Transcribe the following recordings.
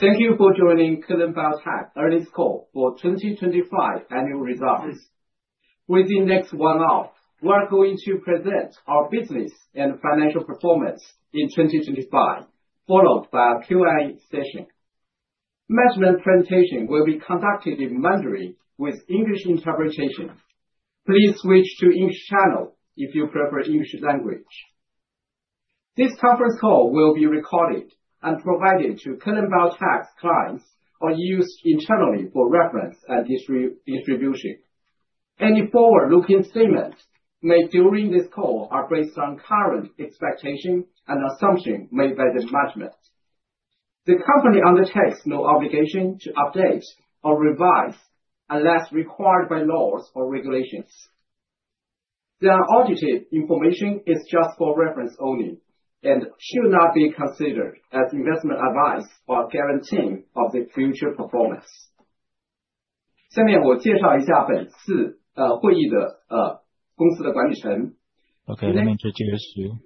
Thank you for joining Kelun-Biotech earnings call for 2025 annual results. Within next one hour, we are going to present our business and financial performance in 2025 followed by a Q&A session. Management presentation will be conducted in Mandarin with English interpretation. Please switch to English channel if you prefer English language. This conference call will be recorded and provided to Kelun-Biotech clients or used internally for reference and distribution. Any forward-looking statements made during this call are based on current expectations and assumptions made by the management. The company undertakes no obligation to update or revise unless required by laws or regulations. The audited information is just for reference only and should not be considered as investment advice or guarantee of the future performance. Okay, let me introduce you.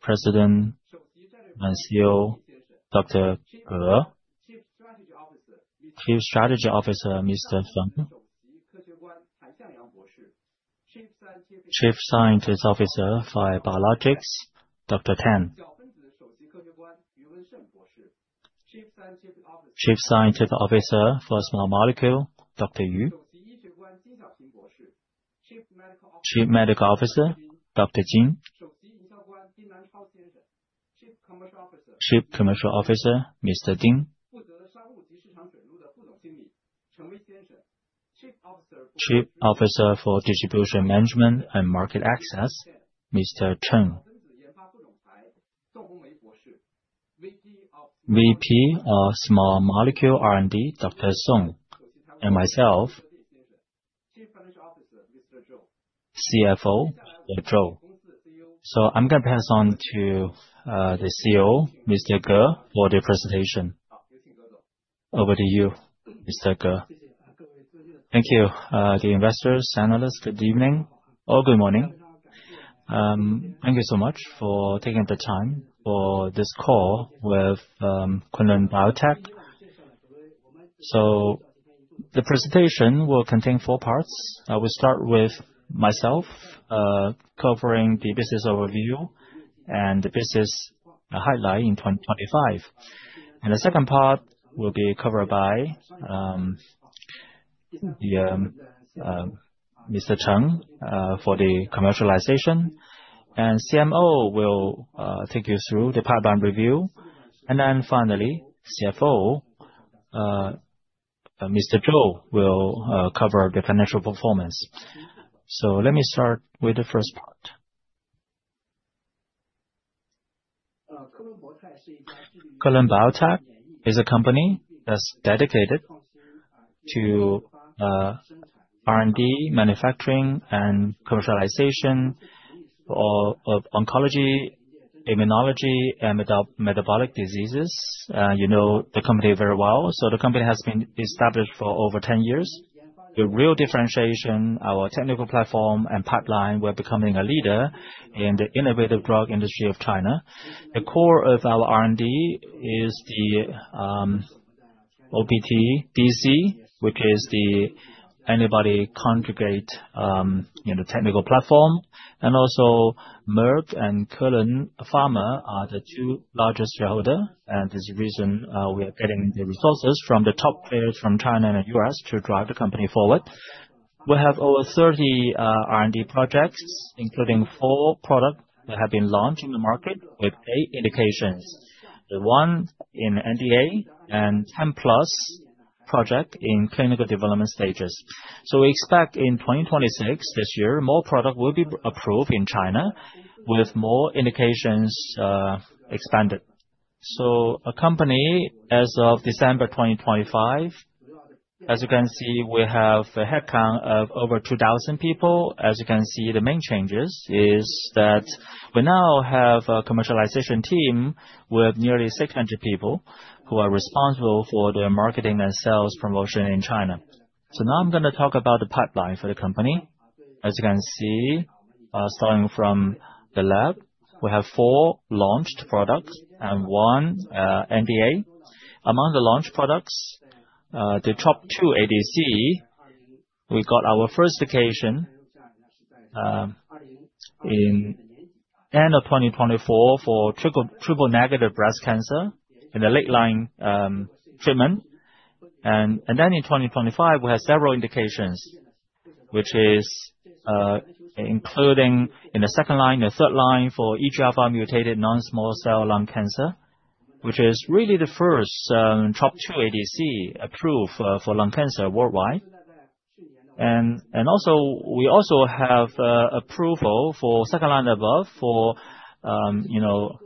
President and CEO, Dr. Ge. Chief Strategy Officer, Mr. Feng. Chief Scientific Officer for Biologics, Dr. Tan. Chief Scientific Officer for Small Molecule, Dr. Yu. Chief Medical Officer, Dr. Jin. Chief Commercial Officer, Mr. Ding. Chief Officer for Distribution Management and Market Access, Mr. Chen. VP of Small Molecule R&D, Dr. Song. And myself, CFO, Zhou. I'm gonna pass on to the CEO, Mr. Ge, for the presentation. Over to you, Mr. Ge. Thank you. The investors, analysts, good evening or good morning. Thank you so much for taking the time for this call with Kelun-Biotech. The presentation will contain four parts. I will start with myself covering the business overview and the business highlight in 2025. The second part will be covered by Mr. Chen for the commercialization. CMO will take you through the pipeline review. Then finally, CFO Mr. Zhou will cover the financial performance. Let me start with the first part. Kelun-Biotech is a company that's dedicated to R&D, manufacturing, and commercialization of oncology, immunology, and metabolic diseases. You know the company very well. The company has been established for over 10 years. The real differentiation, our technical platform and pipeline, we're becoming a leader in the innovative drug industry of China. The core of our R&D is the OptiDC, which is the antibody conjugate, you know, technical platform. Also Merck and Kelun Pharma are the two largest shareholder. There's a reason we are getting the resources from the top players from China and U.S. to drive the company forward. We have over 30 R&D projects, including four products that have been launched in the market with eight indications. The one in NDA and 10+ projects in clinical development stages. We expect in 2026, this year, more product will be approved in China with more indications expanded. Our company, as of December 2025, as you can see, we have a headcount of over 2,000 people. As you can see, the main changes is that we now have a commercialization team with nearly 600 people who are responsible for the marketing and sales promotion in China. Now I'm gonna talk about the pipeline for the company. As you can see, starting from the lab, we have four launched products and one NDA. Among the launched products, the TROP2 ADC, we got our first indication in end of 2024 for triple-negative breast cancer in the late line treatment. Then in 2025, we had several indications, which is including in the second line, the third line for EGFR mutated non-small cell lung cancer, which is really the first TROP2 ADC approved for lung cancer worldwide. We have approval for second-line and above for, you know,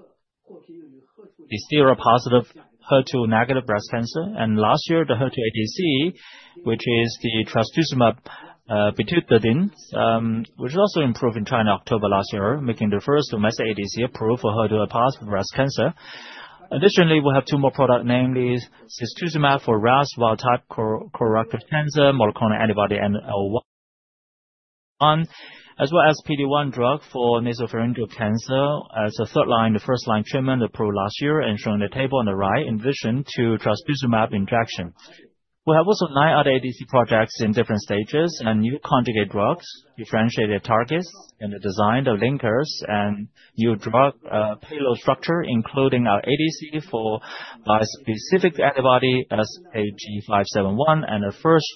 the HR-positive HER2-negative breast cancer. Last year, the HER2 ADC, which is the trastuzumab botidotin, which was also approved in China in October last year, making the first HER2 ADC approved for HER2-positive breast cancer. Additionally, we'll have two more product names. Cetuximab for RAS wild-type colorectal cancer, monoclonal antibody and CR-001, as well as PD-1 drug for nasopharyngeal cancer as a third line, the first line treatment approved last year and shown on the table on the right in addition to trastuzumab injection. We have also nine other ADC projects in different stages, and new conjugate drugs, differentiated targets in the design of linkers and new drug payload structure, including our ADC for bispecific antibody SKB571, and the first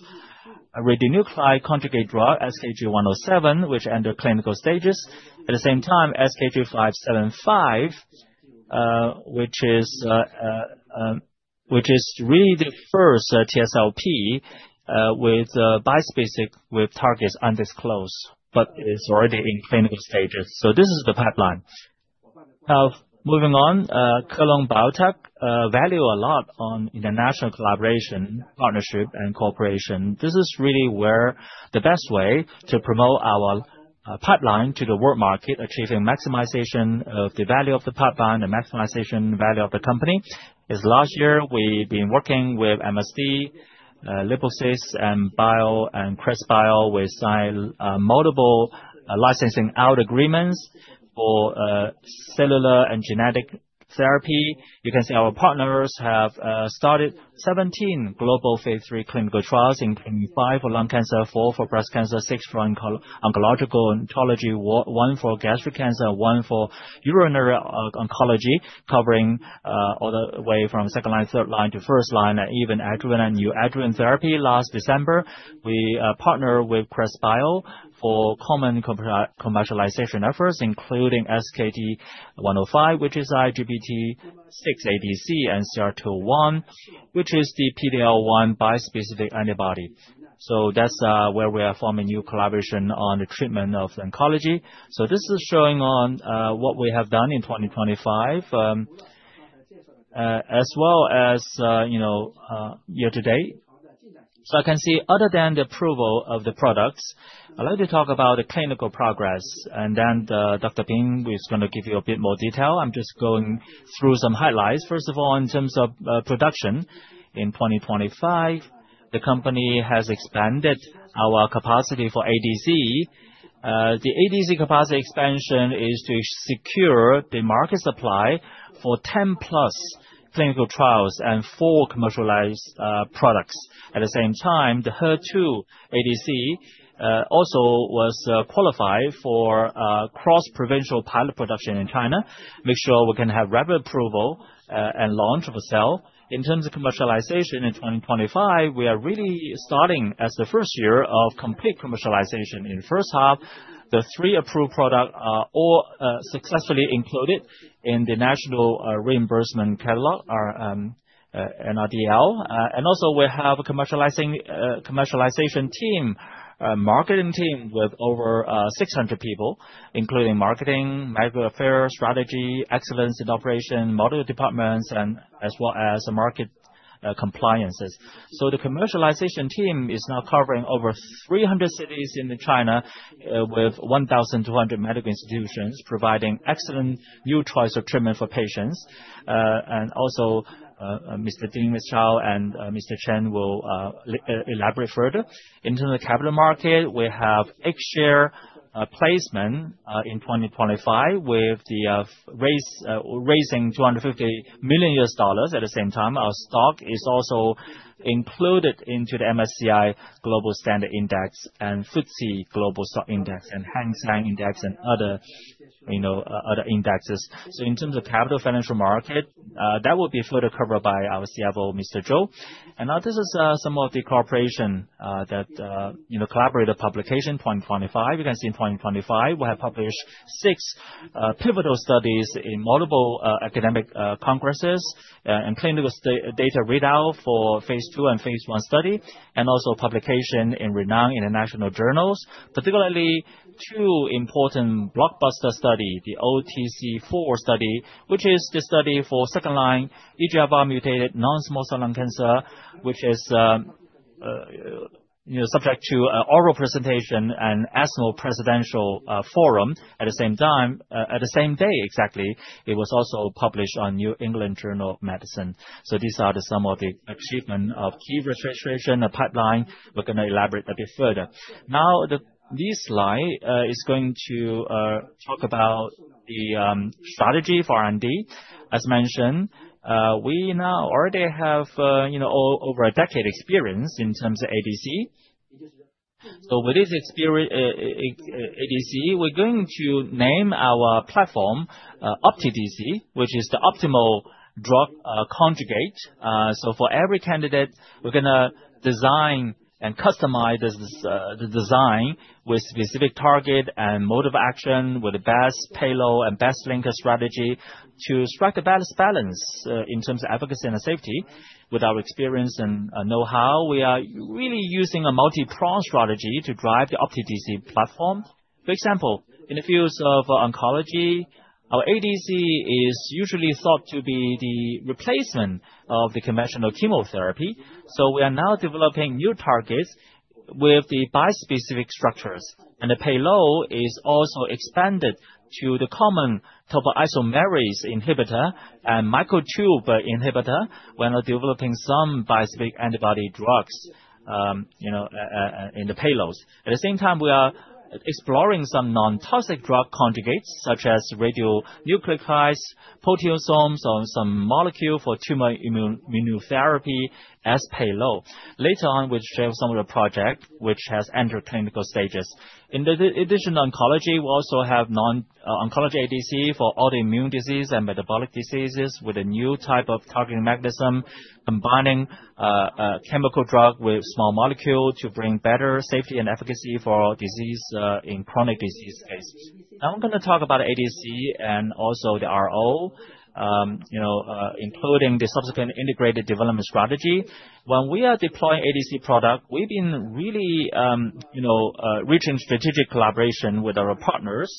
radionuclide conjugate drug, SKB107, which entered clinical stages. At the same time, SKB575, which is really the first TSLP with bispecific with targets undisclosed, but is already in clinical stages. So this is the pipeline. Now, moving on, Kelun-Biotech values a lot on international collaboration, partnership and cooperation. This is really where the best way to promote our pipeline to the world market, achieving maximization of the value of the pipeline, the maximization value of the company. This last year we've been working with MSD, Liposis and Bio and Crescent Biopharma. We signed multiple licensing out agreements for cell and gene therapy. You can see our partners have started 17 global phase III clinical trials, including five for lung cancer, four for breast cancer, six for oncology, one for gastric cancer, one for urinary oncology covering all the way from second line, third line to first line, even adjuvant and neoadjuvant therapy. Last December we partnered with Crescent Biopharma for commercialization efforts, including SKB105, which is ITGB6-ADC and CR-001, which is the PD-L1 bispecific antibody. That's where we are forming new collaboration on the treatment of oncology. This is showing what we have done in 2025, as well as you know year-to-date. I can see other than the approval of the products, I'd like to talk about the clinical progress, and then Dr. Jin is gonna give you a bit more detail. I'm just going through some highlights. First of all, in terms of production in 2025, the company has expanded our capacity for ADC. The ADC capacity expansion is to secure the market supply for 10+ clinical trials and four commercialized products. At the same time, the HER2 ADC also was qualified for cross-provincial pilot production in China, make sure we can have rapid approval and launch of a sale. In terms of commercialization in 2025, we are really starting as the first year of complete commercialization. In the first half, the three approved product are all successfully included in the national reimbursement catalog, or NRDL. We have a commercialization team, marketing team with over 600 people, including marketing, medical affairs, strategy, excellence in operation, module departments, and as well as market compliances. The commercialization team is now covering over 300 cities in China with 1,200 medical institutions providing excellent new choice of treatment for patients. Mr. Ding, Miss Zhao and Mr. Chen will elaborate further. Into the capital market, we have share placement in 2025 with raising $250 million. At the same time, our stock is also included into the MSCI Global Standard Indexes and FTSE Global Equity Index Series and Hang Seng Index and other, you know, other indexes. In terms of capital financial market, that will be further covered by our CFO, Mr. Zhou. Now this is some of the cooperation that you know collaborative publication 2025. You can see in 2025, we have published six pivotal studies in multiple academic congresses and clinical study data readout for phase II and phase I study, and also publication in renowned international journals, particularly two important blockbuster studies, the OptiTROP-Lung04 study, which is the study for second-line EGFR-mutated non-small cell lung cancer, which is you know subject to oral presentation and ESMO Presidential Forum. At the same time, at the same day exactly, it was also published on New England Journal of Medicine. These are some of the achievements of key registration, the pipeline. We're gonna elaborate a bit further. Now, this slide is going to talk about the strategy for R&D. As mentioned, we now already have over a decade experience in terms of ADC. With this ADC, we're going to name our platform OptiDC, which is the optimal drug conjugate. For every candidate, we're gonna design and customize the design with specific target and mode of action, with the best payload and best linker strategy to strike the best balance in terms of efficacy and safety. With our experience and know-how, we are really using a multi-pronged strategy to drive the OptiDC platform. For example, in the fields of oncology, our ADC is usually thought to be the replacement of the conventional chemotherapy. We are now developing new targets with the bispecific structures. The payload is also expanded to the common topoisomerase inhibitor and microtubule inhibitor when developing some bispecific antibody drugs, you know, in the payloads. At the same time, we are exploring some non-toxic drug conjugates such as radionuclides, proteasomes, or some molecule for tumor immunotherapy as payload. Later on, we'll share some of the project which has entered clinical stages. In addition, oncology, we also have non-oncology ADC for autoimmune disease and metabolic diseases with a new type of targeting mechanism, combining chemical drug with small molecule to bring better safety and efficacy for disease, in chronic disease cases. Now I'm gonna talk about ADC and also the RO, you know, including the subsequent integrated development strategy. When we are deploying ADC product, we've been really, you know, reaching strategic collaboration with our partners,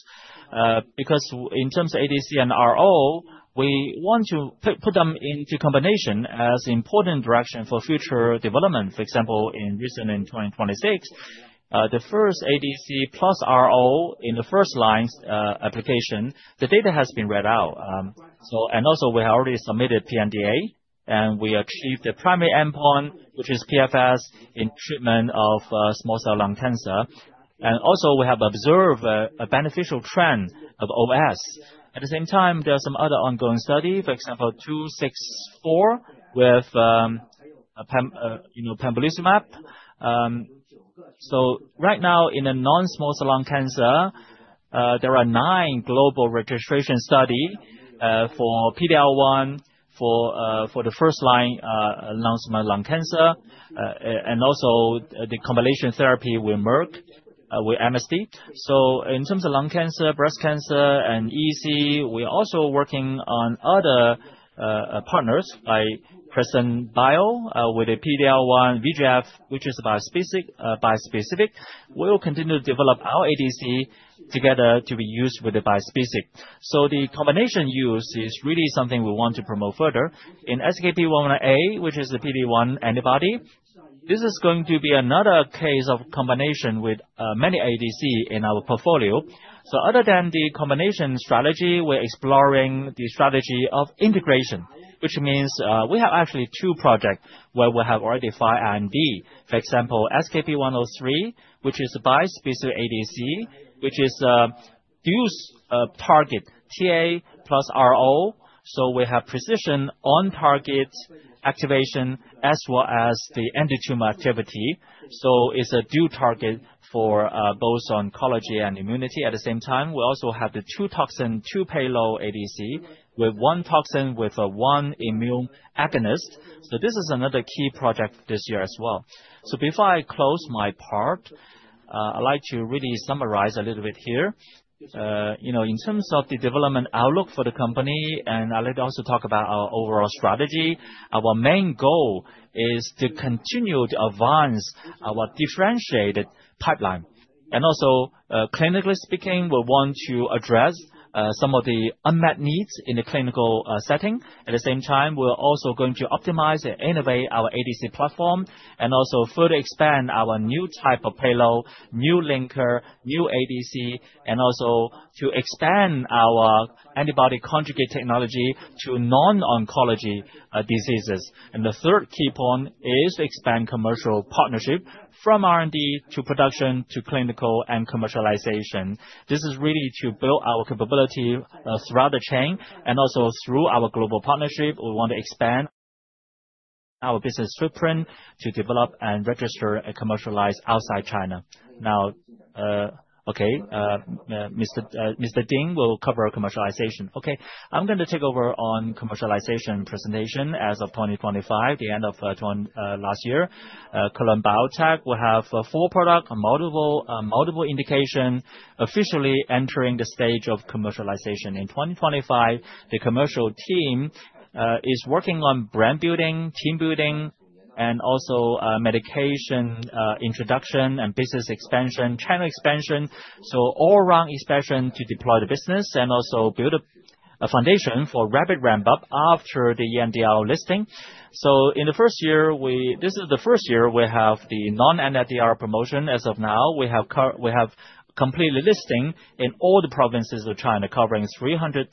because in terms of ADC and RO, we want to put them into combination as important direction for future development. For example, in 2026, the first ADC plus RO in the first-line application, the data has been read out. We have already submitted pNDA, and we achieved the primary endpoint, which is PFS in treatment of small cell lung cancer. We have observed a beneficial trend of OS. At the same time, there are some other ongoing study, for example SKB264 with pembrolizumab. Right now in non-small cell lung cancer, there are nine global registration studies for PD-L1 for the first line non-small cell lung cancer, and also the combination therapy with Merck with MSD. In terms of lung cancer, breast cancer, and EC, we're also working on other partners by person bio with a PD-L1 VEGF, which is bispecific. We'll continue to develop our ADC together to be used with the bispecific. The combination use is really something we want to promote further. In SKB10A, which is the PD-1 antibody, this is going to be another case of combination with many ADC in our portfolio. Other than the combination strategy, we're exploring the strategy of integration, which means we have actually two projects where we have already filed R&D. For example, SKB103, which is bispecific ADC, which fuses targets TAA plus PD-L1. We have precision on target activation as well as the antitumor activity. It's a dual target for both oncology and immunity. At the same time, we also have the dual payload ADC with one toxin and one immune agonist. This is another key project this year as well. Before I close my part, I'd like to really summarize a little bit here. You know, in terms of the development outlook for the company, and I'd like to also talk about our overall strategy. Our main goal is to continue to advance our differentiated pipeline. Also, clinically speaking, we want to address some of the unmet needs in the clinical setting. At the same time, we're also going to optimize and innovate our ADC platform and also further expand our new type of payload, new linker, new ADC, and also to expand our antibody conjugate technology to non-oncology diseases. The third key point is expand commercial partnership from R&D, to production, to clinical and commercialization. This is really to build our capability throughout the chain and also through our global partnership, we want to expand our business footprint to develop and register and commercialize outside China. Mr. Ding will cover commercialization. I'm gonna take over on commercialization presentation as of 2025, the end of last year. Kelun-Biotech will have a full product, multiple indication officially entering the stage of commercialization. In 2025, the commercial team is working on brand building, team building, and also medication introduction and business expansion, channel expansion. All around expansion to deploy the business and also build a foundation for rapid ramp-up after the NRDL listing. In the first year, this is the first year we have the non-NRDL promotion. As of now, we have complete listing in all the provinces of China, covering 300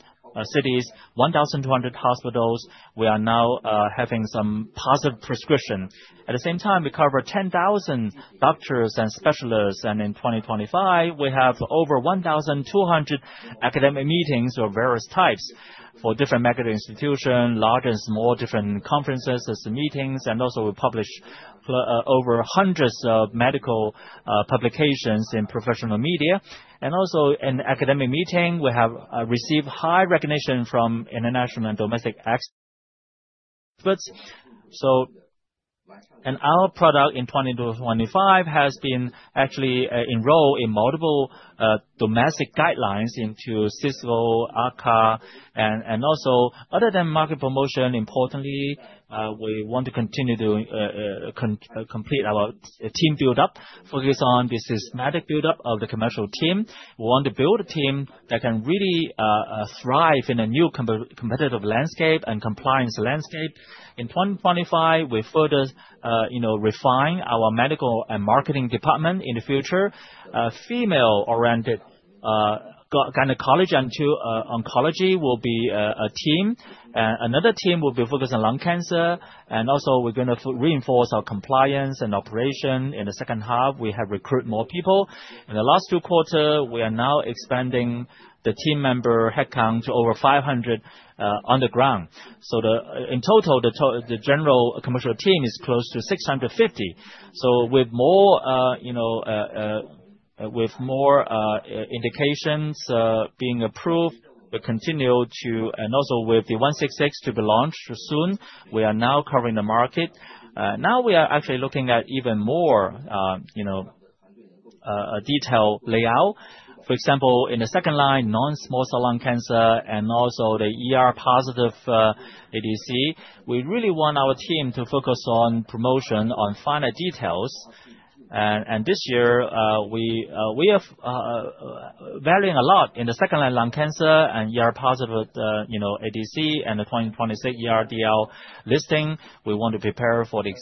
cities, 1,200 hospitals. We are now having some positive prescription. At the same time, we cover 10,000 doctors and specialists. In 2025, we have over 1,200 academic meetings of various types for different medical institution, large and small, different conferences as meetings. Also we publish over hundreds of medical publications in professional media. Also in academic meeting, we have received high recognition from international and domestic experts. Our product in 2020-2025 has been actually enrolled in multiple domestic guidelines in CSCO, AACR. Other than market promotion, importantly, we want to continue doing complete our team build-up, focus on the systematic build-up of the commercial team. We want to build a team that can really thrive in a new competitive landscape and compliance landscape. In 2025, we further you know refine our medical and marketing department in the future, female-oriented gynecology into oncology will be a team. Another team will be focused on lung cancer, and also we're gonna reinforce our compliance and operation. In the second half, we have recruit more people. In the last two quarters, we are now expanding the team member headcount to over 500 on the ground. In total, the general commercial team is close to 650. With more indications being approved, we continue to expand. With the A166 to be launched soon, we are now covering the market. Now we are actually looking at even more detailed layout. For example, in the second-line non-small cell lung cancer and also the ER-positive ADC. We really want our team to focus on promotion on finer details. This year, we have varying a lot in the second-line lung cancer and ER-positive, you know, ADC and the 2026 NRDL listing. We want to prepare for the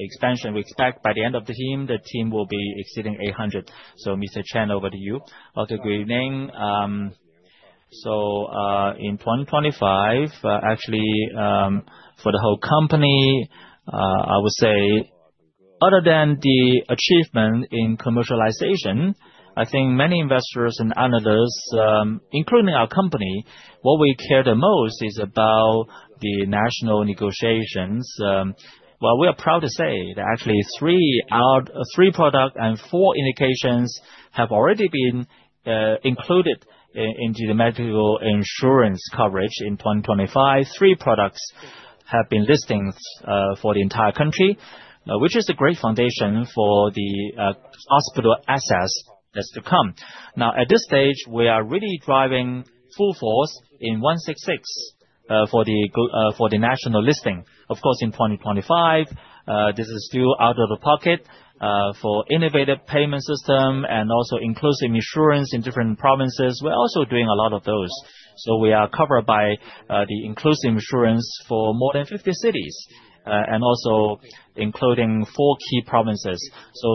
expansion. We expect by the end of the year, the team will be exceeding 800. Mr. Chen, over to you. Good evening. In 2025, actually, for the whole company, I would say other than the achievement in commercialization, I think many investors and analysts, including our company, what we care the most is about the national negotiations. Well, we are proud to say that actually three products and four indications have already been included into the medical insurance coverage in 2025. Three products have been listed for the entire country, which is a great foundation for the hospital access that's to come. Now, at this stage, we are really driving full force in A166 for the national listing. Of course, in 2025, this is still out-of-pocket for innovative payment system and also inclusive insurance in different provinces. We're also doing a lot of those. We are covered by the inclusive insurance for more than 50 cities and also including four key provinces.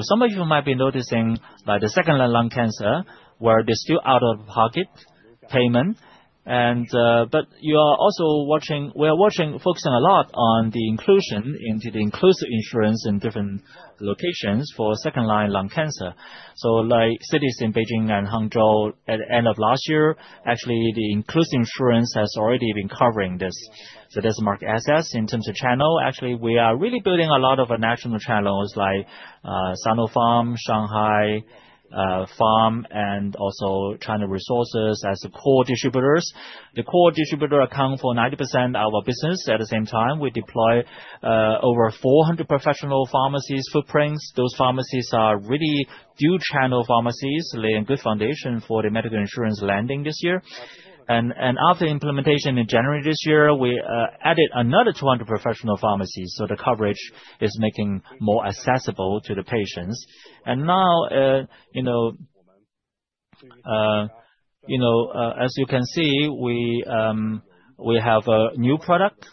Some of you might be noticing by the second-line lung cancer, where there's still out-of-pocket payment. We are watching, focusing a lot on the inclusion into the inclusive insurance in different locations for second-line lung cancer. Like cities in Beijing and Hangzhou at the end of last year, actually, the inclusive insurance has already been covering this. That's market access. In terms of channel, actually, we are really building a lot of national channels like, Sinopharm, Shanghai Pharmaceuticals, and also China Resources as the core distributors. The core distributor accounts for 90% of our business. At the same time, we deploy over 400 professional pharmacies footprints. Those pharmacies are really few channel pharmacies, laying good foundation for the medical insurance landing this year. After implementation in January this year, we added another 200 professional pharmacies, so the coverage is making more accessible to the patients. Now, you know, as you can see, we have a new product.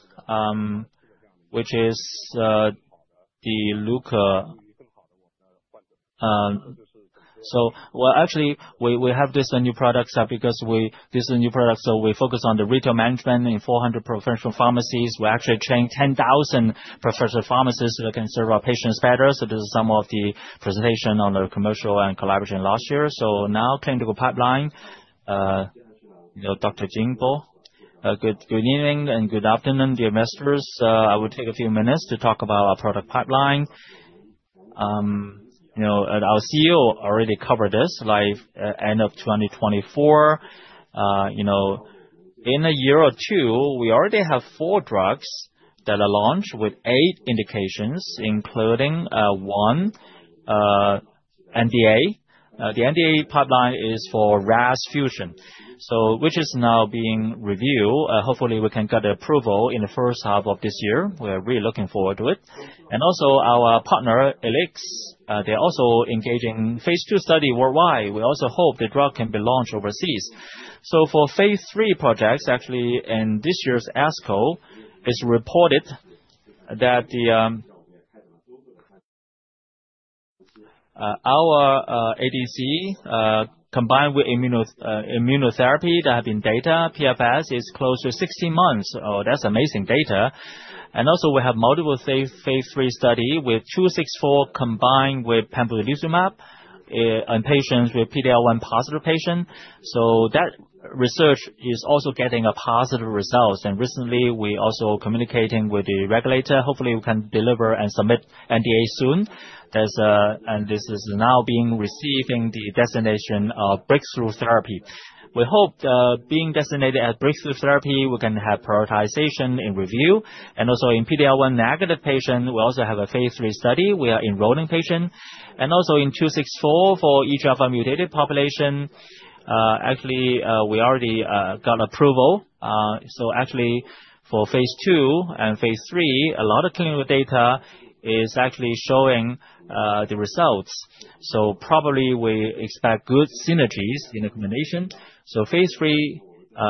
So well, actually, we have this new product because this is a new product, so we focus on the retail management in 400 professional pharmacies. We actually trained 10,000 professional pharmacists who can serve our patients better. This is some of the presentation on the commercial and collaboration last year. Now clinical pipeline, you know, Dr. Xiaoping. Good evening and good afternoon, dear investors. I will take a few minutes to talk about our product pipeline. You know, our CEO already covered this, like end of 2024. You know, in a year or two, we already have four drugs that are launched with eight indications, including one NDA. The NDA pipeline is for RAS fusion, which is now being reviewed. Hopefully, we can get approval in the first half of this year. We're really looking forward to it. Our partner, Elix, they're also engaging phase II study worldwide. We also hope the drug can be launched overseas. For phase III projects, actually in this year's ASCO, it's reported that our ADC combined with immunotherapy, there have been data. PFS is close to 16 months. That's amazing data. We also have multiple phase III study with SKB264 combined with pembrolizumab on patients with PD-L1-positive patients. That research is also getting positive results. Recently, we're also communicating with the regulator, hopefully we can deliver and submit NDA soon. This is now being receiving the designation of breakthrough therapy. We hope, being designated as breakthrough therapy, we can have prioritization in review. In PD-L1 negative patient, we also have a phase III study. We are enrolling patient. In SKB264 for EGFR mutated population, actually, we already got approval. So actually for phase II and phase III, a lot of clinical data is actually showing the results. Probably we expect good synergies in the combination. Phase III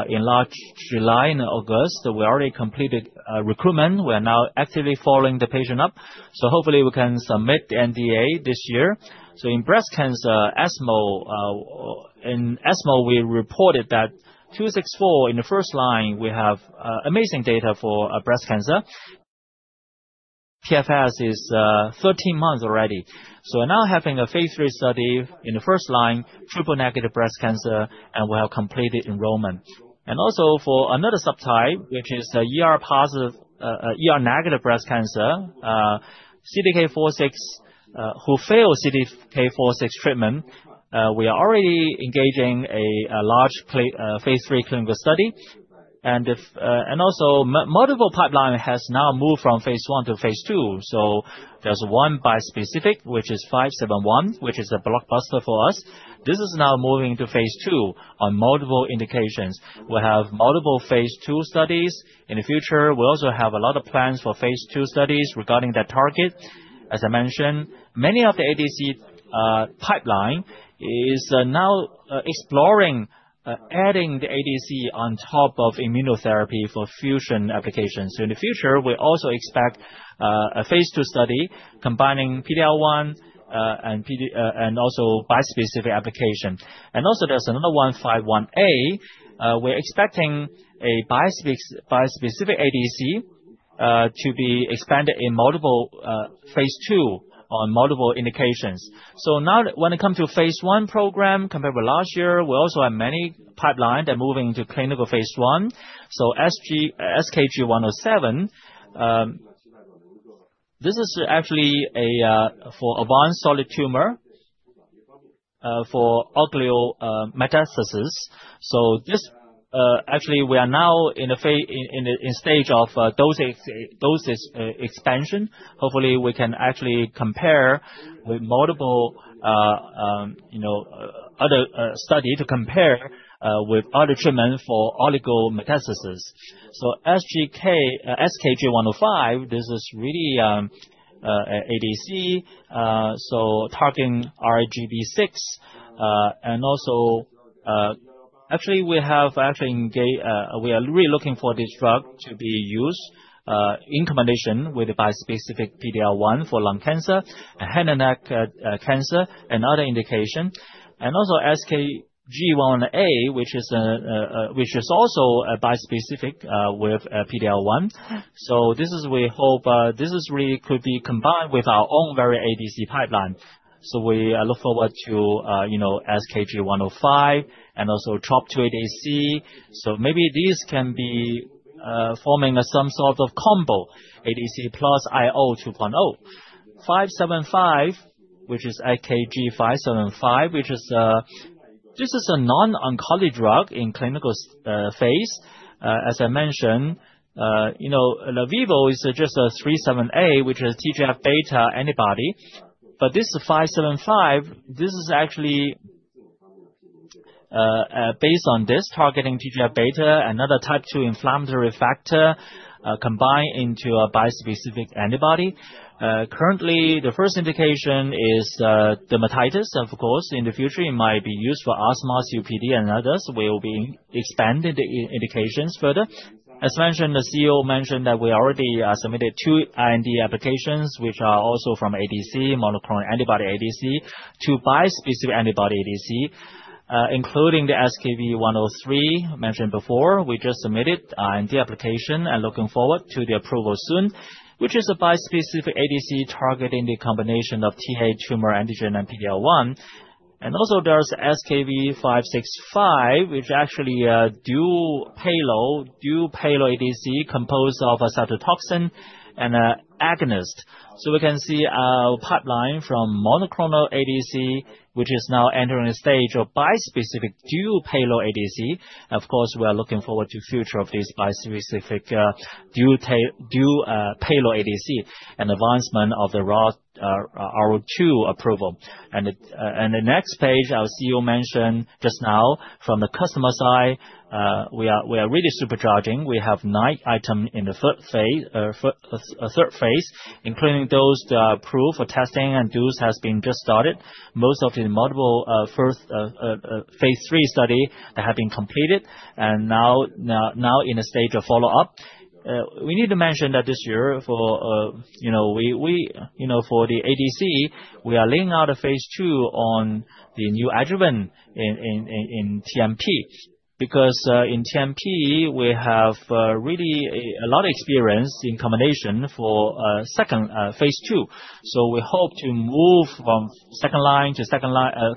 in late July and August, we already completed recruitment. We are now actively following the patient up, so hopefully we can submit the NDA this year. In breast cancer, ESMO, in ESMO, we reported that SKB264 in the first line, we have amazing data for breast cancer. PFS is 13 months already. We're now having a phase III study in the first line, triple negative breast cancer, and we have completed enrollment. Also for another subtype, which is ER positive, ER negative breast cancer, CDK4/6 who failed CDK4/6 treatment, we are already engaging a large phase III clinical study. Multiple pipeline has now moved from phase I to phase II. There's one bispecific, which is SKB571, which is a blockbuster for us. This is now moving to phase II on multiple indications. We have multiple phase II studies. In the future, we also have a lot of plans for phase II studies regarding that target. As I mentioned, many of the ADC pipeline is now exploring adding the ADC on top of immunotherapy for fusion applications. In the future, we also expect a phase II study combining PD-L1 and PD-1 and also bispecific application. There's another one, SKB51A, we're expecting a bispecific ADC to be expanded in multiple phase II on multiple indications. Now when it comes to phase I program compared with last year, we also have many pipeline that move into clinical phase I. SKB107, this is actually a for advanced solid tumor for oligometastasis. We are now in a stage of dosage expansion. Hopefully, we can actually compare with multiple, you know, other study to compare with other treatment for oligometastasis. SKB105, this is really ADC so targeting ITGB6. We are really looking for this drug to be used in combination with a bispecific PD-L1 for lung cancer and head and neck cancer and other indication. SKB1A, which is also a bispecific with PD-L1. This we hope really could be combined with our own very ADC pipeline. We look forward to, you know, SKB105 and also TROP2 ADC. Maybe these can be forming some sort of combo ADC plus IO 2.0. SKB575, which is SKB575, which is a non-oncology drug in clinical phase. As I mentioned, you know, Livivo is just SKB378, which is TGF-beta antibody. But this five seven five, this is actually based on this targeting TGF-beta, another type two inflammatory factor, combined into a bispecific antibody. Currently, the first indication is dermatitis. Of course, in the future it might be used for asthma, COPD and others. We will be expanding the indications further. As mentioned, the CEO mentioned that we already submitted two IND applications, which are also from ADC, monoclonal antibody ADC to bispecific antibody ADC, including the SKB103 mentioned before. We just submitted IND application and looking forward to the approval soon, which is a bispecific ADC targeting the combination of TAA tumor antigen and PD-L1. Also there's SKB565, which actually a dual payload ADC composed of a cytotoxin and a agonist. We can see our pipeline from monoclonal ADC, which is now entering a stage of bispecific dual payload ADC. Of course, we are looking forward to future of this bispecific dual payload ADC and advancement of the R&D to approval. The next page, our CEO mentioned just now from the customer side, we are really supercharging. We have nine items in phase III, including those that are approved for testing and dosing has just started. Most of the phase I and phase III studies have been completed and now in a stage of follow-up. We need to mention that this year, you know, for the ADC, we are laying out phase II on the neoadjuvant in TNBC. Because in TNBC, we have really a lot of experience in combination for second-line phase II. We hope to move from second line to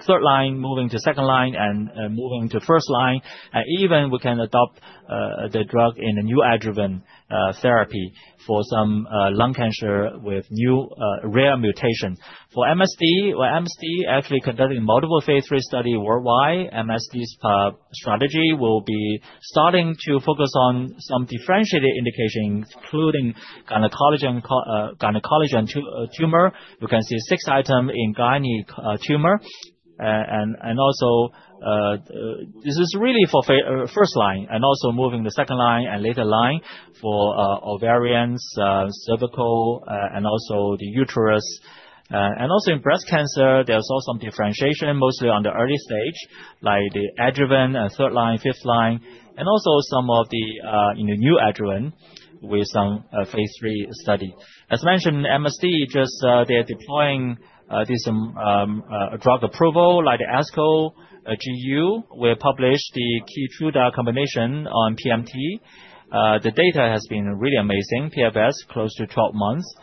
third line, moving to second line and moving to first line. Even we can adopt the drug in a neoadjuvant therapy for some lung cancer with rare mutation. For MSD actually conducting multiple phase III study worldwide. MSD's strategy will be starting to focus on some differentiated indications, including gynecology and gynecology and tumor. You can see six item in GYN tumors. This is really for first line and also moving the second line and later line for ovarian, cervical and also the uterus. In breast cancer, there's also some differentiation, mostly on the early stage, like the adjuvant, third line, fifth line, and also some of the in the neo-adjuvant with some phase III study. As mentioned, MSD just they're deploying this drug approval like ASCO GU. We have published the Keytruda combination on PMT. The data has been really amazing. PFS close to 12 months.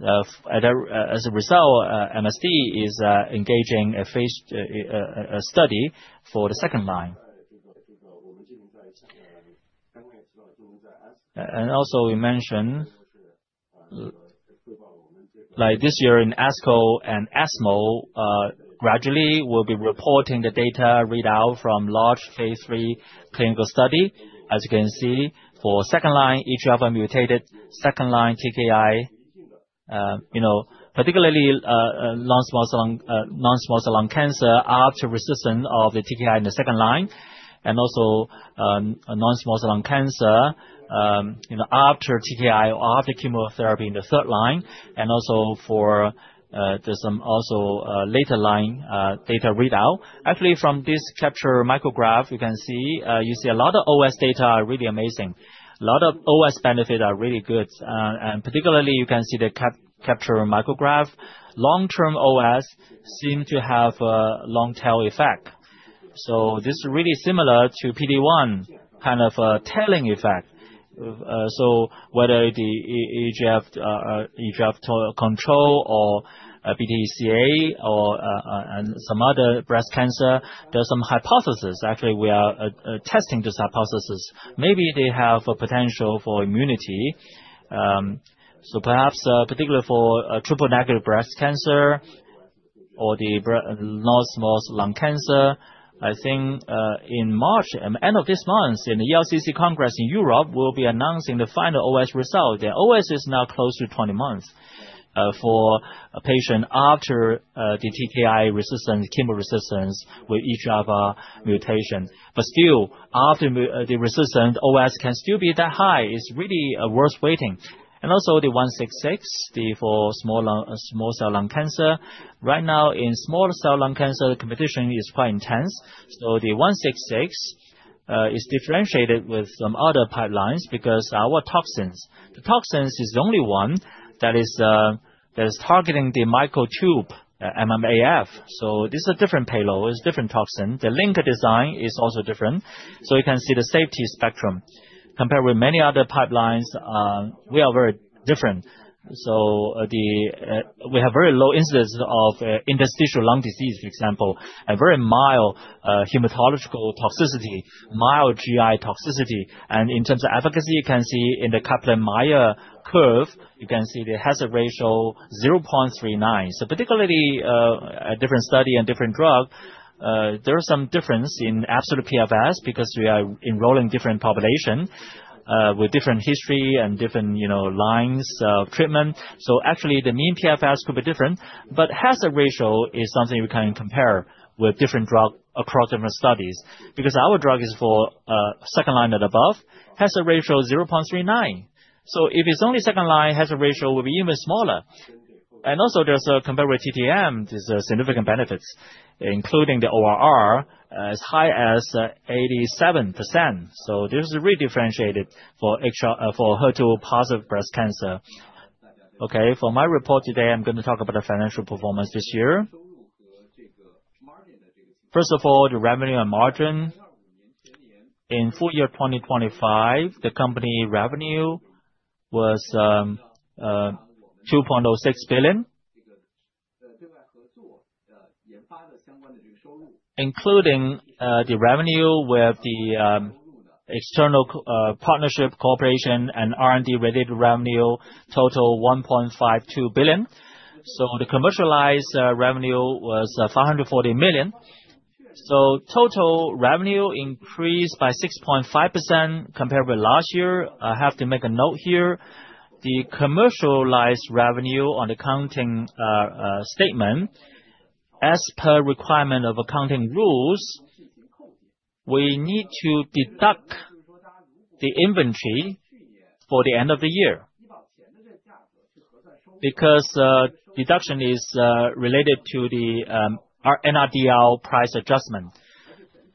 As a result, MSD is engaging a phase a study for the second line. We mentioned, like this year in ASCO and ESMO, gradually we'll be reporting the data readout from large phase III clinical study. As you can see, for second line, each of them mutated second line TKI, you know, particularly, non-small cell lung cancer are resistant to the TKI in the second line and also, non-small cell lung cancer, you know, after TKI or after chemotherapy in the third line and also for, there's some later line data readout. Actually, from this Kaplan-Meier, you can see a lot of OS data are really amazing. A lot of OS benefit are really good. Particularly, you can see the Kaplan-Meier. Long-term OS seem to have a long tail effect. This is really similar to PD-1, kind of a tailing effect. Whether the EGFR control or PD-1 or and some other breast cancer, there's some hypothesis. Actually, we are testing this hypothesis. Maybe they have a potential for immunity. Perhaps, particularly for triple-negative breast cancer or non-small cell lung cancer, I think, in March, end of this month, in the ELCC Congress in Europe, we'll be announcing the final OS result. The OS is now close to 20 months for a patient after the TKI resistance, chemo resistance with EGFR mutation. Still, after the resistant OS can still be that high. It's really worth waiting. Also the A166 for small cell lung cancer. Right now in small cell lung cancer, the competition is quite intense. The A166 is differentiated with some other pipelines because our toxin. The toxin is the only one that is targeting the microtubule, MMAF. This is a different payload, it's different toxin. The linker design is also different. You can see the safety spectrum. Compared with many other pipelines, we are very different. We have very low instances of interstitial lung disease, for example, a very mild hematological toxicity, mild GI toxicity. In terms of efficacy, you can see in the Kaplan-Meier curve, you can see the hazard ratio, 0.39. Particularly, a different study and different drug, there are some difference in absolute PFS because we are enrolling different population, with different history and different, you know, lines of treatment. Actually, the mean PFS could be different, but hazard ratio is something we can compare with different drug across different studies. Because our drug is for second line and above, hazard ratio 0.39. If it's only second line, hazard ratio will be even smaller. There's a comparison with T-DM1. There's significant benefits, including the ORR as high as 87%. This is really differentiated for HR- for HER2 positive breast cancer. Okay, for my report today, I'm gonna talk about the financial performance this year. First of all, the revenue and margin. In full year 2025, the company revenue was RMB 2.06 billion. Including the revenue with the external co- partnership, cooperation, and R&D-related revenue total 1.52 billion. The commercialized revenue was 540 million. Total revenue increased by 6.5% compared with last year. I have to make a note here. The commercialized revenue on accounting statement, as per requirement of accounting rules, we need to deduct the inventory for the end of the year. Because deduction is related to our NRDL price adjustment.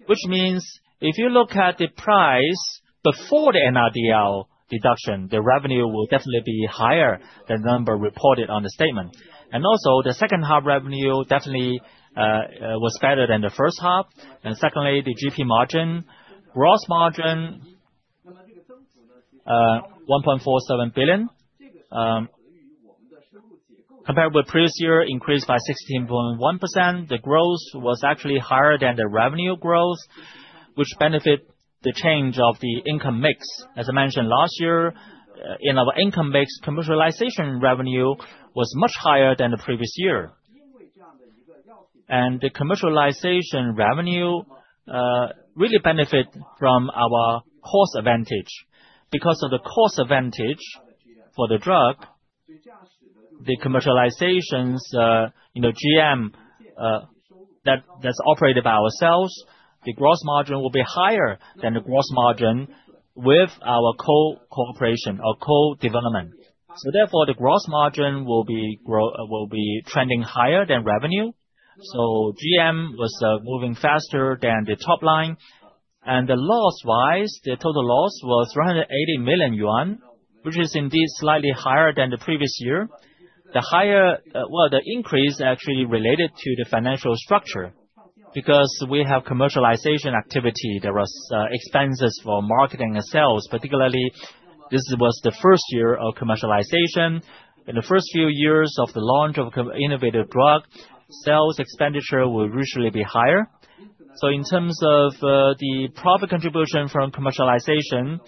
Which means if you look at the price before the NRDL deduction, the revenue will definitely be higher than number reported on the statement. The second half revenue definitely was better than the first half. The GP margin. Gross margin, 1.47 billion, compared with previous year increased by 16.1%. The growth was actually higher than the revenue growth, which benefit the change of the income mix. As I mentioned last year, in our income mix, commercialization revenue was much higher than the previous year. The commercialization revenue really benefit from our cost advantage. Because of the cost advantage for the drug, the commercializations, you know, GM that's operated by ourselves, the gross margin will be higher than the gross margin with our co-commercialization or co-development. Therefore, the gross margin will be trending higher than revenue. GM was moving faster than the top line. Loss-wise, the total loss was 380 million yuan, which is indeed slightly higher than the previous year. The increase actually related to the financial structure. Because we have commercialization activity, there was expenses for marketing and sales. Particularly, this was the first year of commercialization. In the first few years of the launch of innovative drug, sales expenditure will usually be higher. In terms of the profit contribution from commercialization,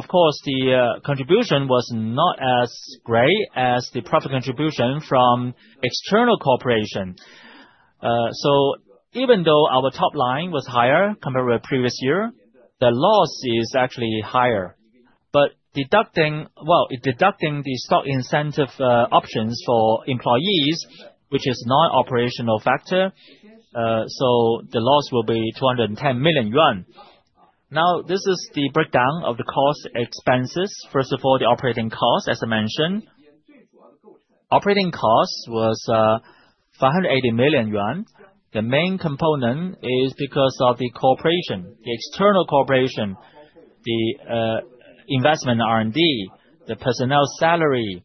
of course, the contribution was not as great as the profit contribution from external collaboration. Even though our top line was higher compared with previous year, the loss is actually higher. Deducting the stock incentive options for employees, which is non-operational factor, the loss will be 210 million yuan. Now, this is the breakdown of the cost expenses. First of all, the operating cost, as I mentioned. Operating cost was 580 million yuan. The main component is because of the collaboration, the external collaboration, the R&D investment, the personnel salary,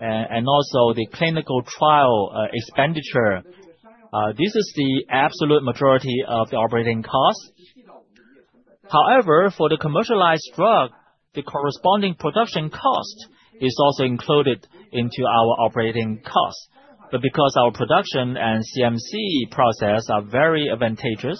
and also the clinical trial expenditure. This is the absolute majority of the operating costs. However, for the commercialized drug, the corresponding production cost is also included into our operating costs. Because our production and CMC process are very advantageous,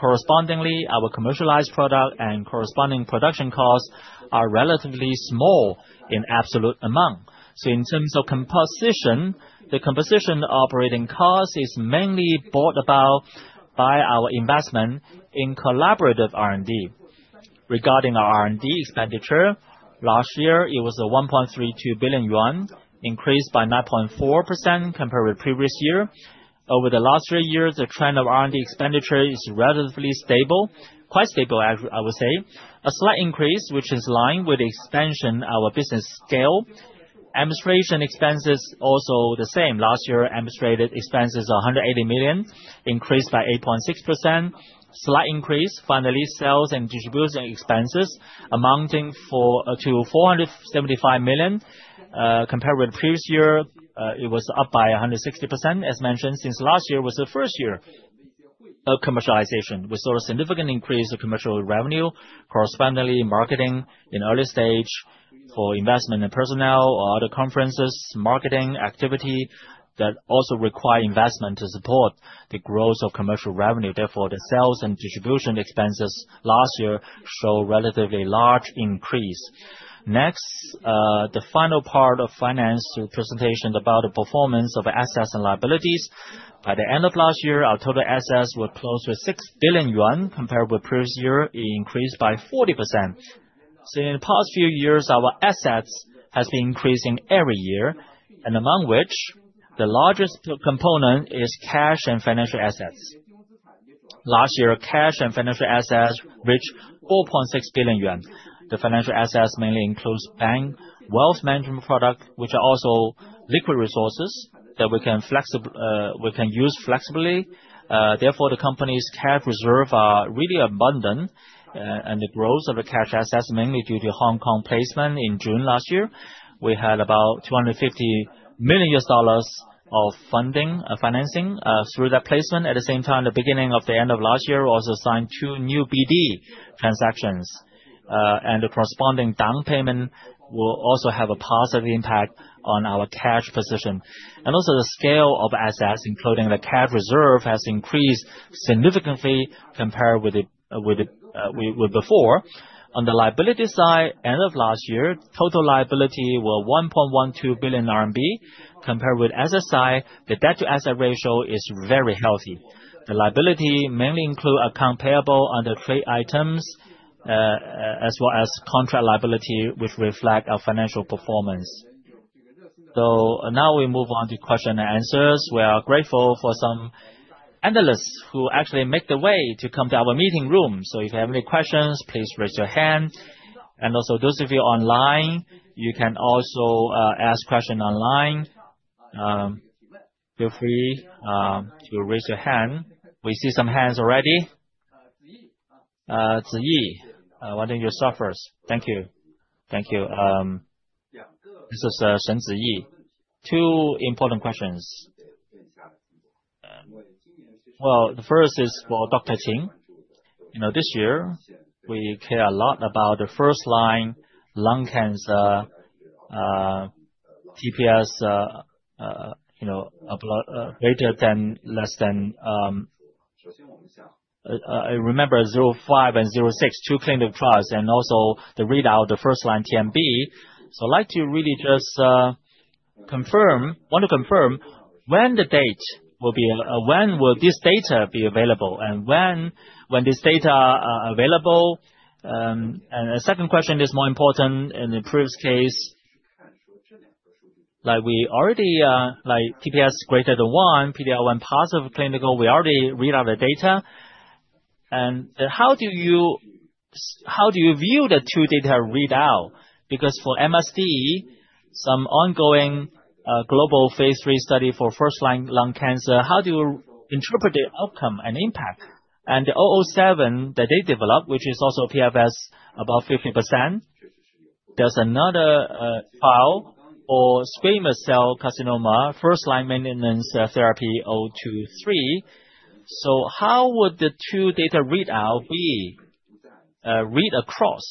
correspondingly, our commercialized product and corresponding production costs are relatively small in absolute amount. In terms of composition, the composition operating cost is mainly brought about by our investment in collaborative R&D. Regarding our R&D expenditure, last year it was 1.32 billion yuan, increased by 9.4% compared with previous year. Over the last three years, the trend of R&D expenditure is relatively stable. Quite stable, I would say. A slight increase, which is in line with the expansion our business scale. Administration expenses also the same. Last year, administrative expenses, 180 million, increased by 8.6%, slight increase. Finally, sales and distribution expenses amounting to 475 million, compared with previous year, it was up by 160%. As mentioned, since last year was the first year of commercialization. We saw a significant increase of commercial revenue correspondingly in marketing in early stage for investment in personnel or other conferences, marketing activity that also require investment to support the growth of commercial revenue. Therefore, the sales and distribution expenses last year show relatively large increase. Next, the final part of finance presentation about the performance of assets and liabilities. By the end of last year, our total assets were close to 6 billion yuan, compared with previous year, it increased by 40%. In the past few years, our assets has been increasing every year, and among which the largest component is cash and financial assets. Last year, cash and financial assets reached 4.6 billion yuan. The financial assets mainly includes bank, wealth management product, which are also liquid resources that we can use flexibly. Therefore, the company's cash reserve are really abundant. The growth of the cash assets, mainly due to Hong Kong placement in June last year, we had about $250 million of funding, of financing, through that placement. At the same time, the beginning of the end of last year, we also signed two new BD transactions, and the corresponding down payment will also have a positive impact on our cash position. Also the scale of assets, including the cash reserve, has increased significantly compared with before. On the liability side, end of last year, total liability were 1.12 billion RMB compared with asset side, the debt-to-asset ratio is very healthy. The liability mainly include accounts payable under trade items, as well as contract liability, which reflect our financial performance. Now we move on to questions and answers. We are grateful for some analysts who actually made the way to come to our meeting room. If you have any questions, please raise your hand. Also those of you online, you can also ask questions online. Feel free to raise your hand. We see some hands already. Ziyi, why don't you start first? Thank you. Thank you. This is Chen Ziyi. Two important questions. Well, the first is for Dr. Jin. You know, this year we care a lot about the first-line lung cancer, TPS, you know, greater than less than. I remember OptiTROP-Lung05 and OptiTROP-Lung06, two clinical trials and also the readout, the first-line TMB. So I'd like to really just confirm when this data will be available and when this data are available. The second question is more important in the previous case. Like we already, like TPS greater than 1%, PD-L1 positive clinical, we already read out the data. How do you view the two data readout? Because for MSD, some ongoing, global phase III study for first-line lung cancer, how do you interpret the outcome and impact? The 007 that they developed, which is also PFS above 15%. There's another file for squamous cell carcinoma, first line maintenance therapy, 023. How would the two data readout be read across?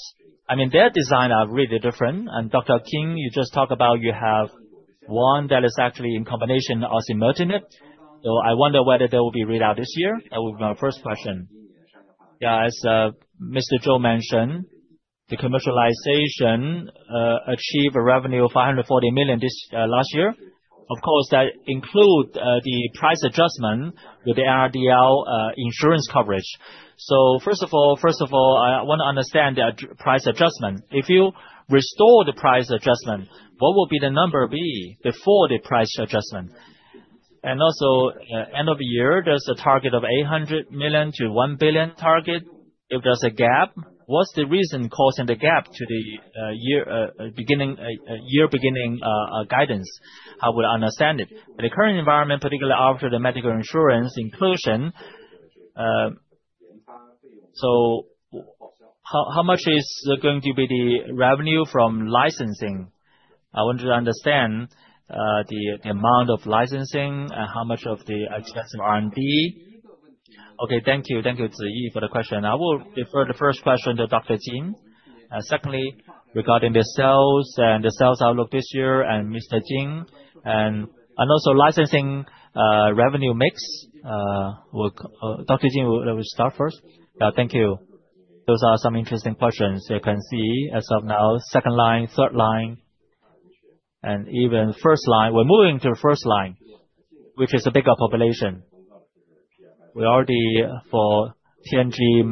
I mean, their design are really different. Dr. Wang, you just talked about you have one that is actually in combination with osimertinib. I wonder whether they will be read out this year. That would be my first question. Yeah, as Mr. Zhou mentioned, the commercialization achieve a revenue of 540 million last year. Of course, that include the price adjustment with the NRDL insurance coverage. First of all, I want to understand the price adjustment. If you restore the price adjustment, what will the number be before the price adjustment? Also, end of year, there's a target of 800 million-1 billion. If there's a gap, what's the reason causing the gap to the year beginning guidance? How would I understand it? In the current environment, particularly after the medical insurance inclusion, so how much is going to be the revenue from licensing? I want you to understand the amount of licensing and how much of the expensive R&D. Okay, thank you. Thank you, Ziyi, for the question. I will defer the first question to Dr. Jin. Secondly, regarding the sales and the sales outlook this year and Mr. Ding, and also licensing revenue mix, Dr. Jin will start first. Yeah, thank you. Those are some interesting questions. You can see as of now, second line, third line, and even first line. We're moving to the first line, which is a bigger population. We already for TNBC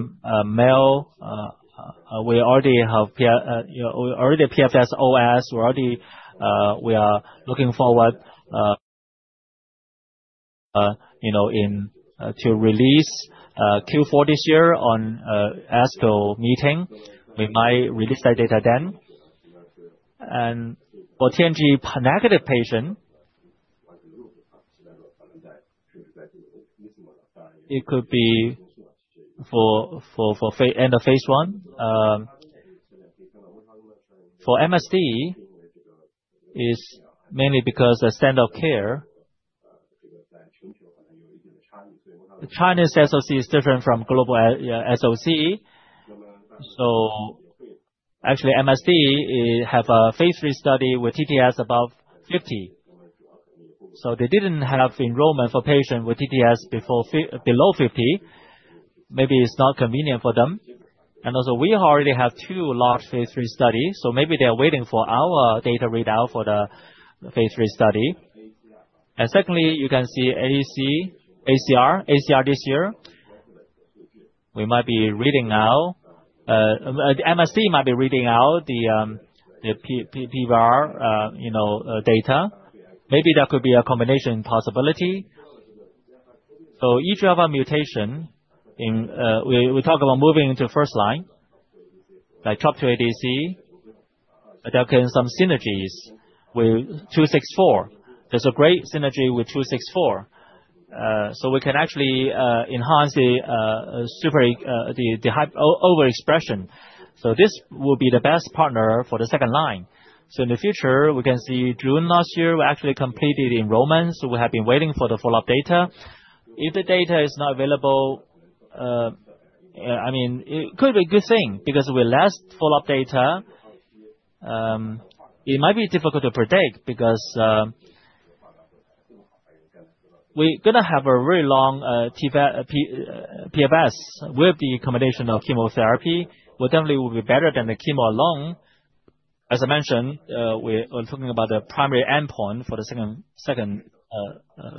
male we already have PR, you know, already PFS-OS, we are looking forward, you know, to release Q4 this year on ASCO meeting. We might release that data then. For TNBC negative patient it could be for end of phase I. For MSD, it is mainly because the standard care, the Chinese SOC is different from global SOC. So actually, MSD has a phase III study with TPS above 50%. So they didn't have enrollment for patient with TPS below 50%. Maybe it's not convenient for them. We already have two large phase III studies, so maybe they are waiting for our data readout for the phase III study. Secondly, you can see ASCO, AACR, ASCO this year. We might be reading now. The ESMO might be reading out the PFS, ORR data. Maybe there could be a combination possibility. EGFR mutation in, we talk about moving into first line, like TROP2 ADC, adding some synergies with SKB264. There's a great synergy with SKB264. We can actually enhance the overexpression. This will be the best partner for the second line. In the future, we can see. In June last year, we actually completed enrollment, so we have been waiting for the follow-up data. If the data is not available, I mean, it could be a good thing because with less follow-up data, it might be difficult to predict because we're gonna have a really long PFS with the combination of chemotherapy, which will definitely be better than the chemo alone. As I mentioned, we're talking about the primary endpoint for the second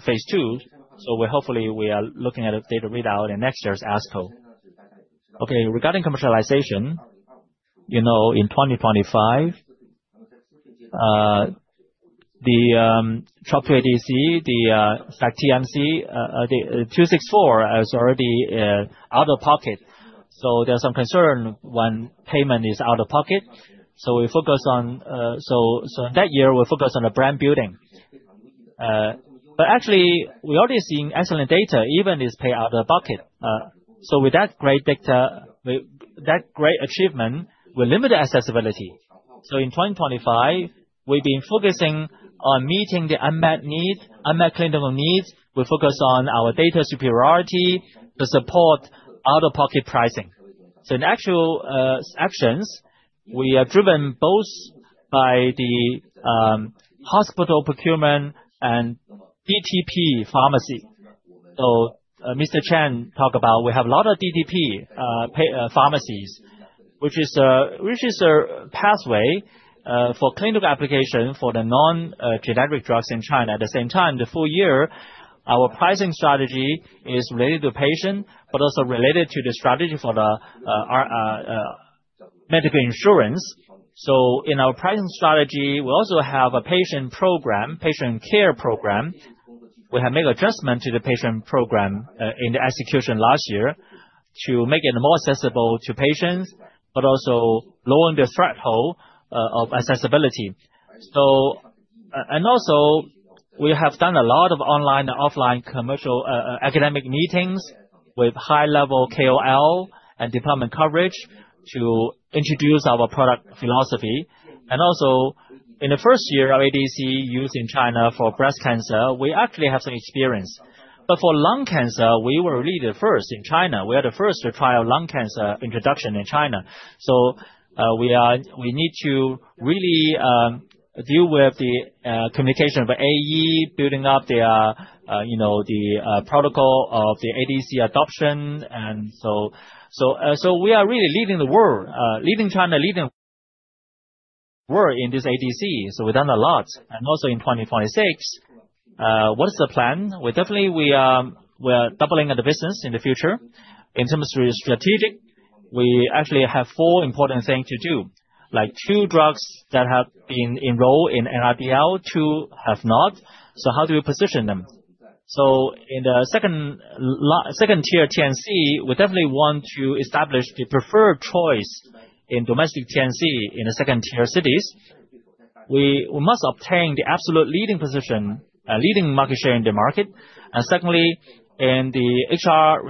phase II. So we're hopefully looking at a data readout in next year's ASCO. Okay, regarding commercialization, you know, in 2025, the TROP2 ADC, the sac-TMT, the SKB264 is already out-of-pocket. So there's some concern when payment is out-of-pocket. So in that year, we'll focus on the brand building. But actually we're already seeing excellent data, even if it's paid out-of-pocket. With that great data, that great achievement will limit the accessibility. In 2025, we've been focusing on meeting the unmet need, unmet clinical needs. We focus on our data superiority to support out-of-pocket pricing. In actual sections, we are driven both by the hospital procurement and DTP pharmacy. Mr. Chen talk about we have a lot of DTP pharmacies, which is a pathway for clinical application for the non-generic drugs in China. At the same time, the full year, our pricing strategy is related to patient, but also related to the strategy for our medical insurance. In our pricing strategy, we also have a patient program, patient care program. We have made adjustment to the patient program, in the execution last year to make it more accessible to patients, but also lowering the threshold, of accessibility. We have done a lot of online and offline commercial, academic meetings with high-level KOL and department coverage to introduce our product philosophy. In the first year of ADC use in China for breast cancer, we actually have some experience. For lung cancer, we were really the first in China. We are the first to try out lung cancer introduction in China. We need to really deal with the communication of AE building up their the protocol of the ADC adoption. We are really leading the world, leading China, leading world in this ADC. We've done a lot. In 2026, what is the plan? Well, definitely we are doubling the business in the future. In terms of strategic, we actually have four important things to do. Like two drugs that have been enrolled in NRDL, two have not. How do you position them? In the second tier TNBC, we definitely want to establish the preferred choice in domestic TNBC in the second tier cities. We must obtain the absolute leading position, leading market share in the market. Secondly, in the HR+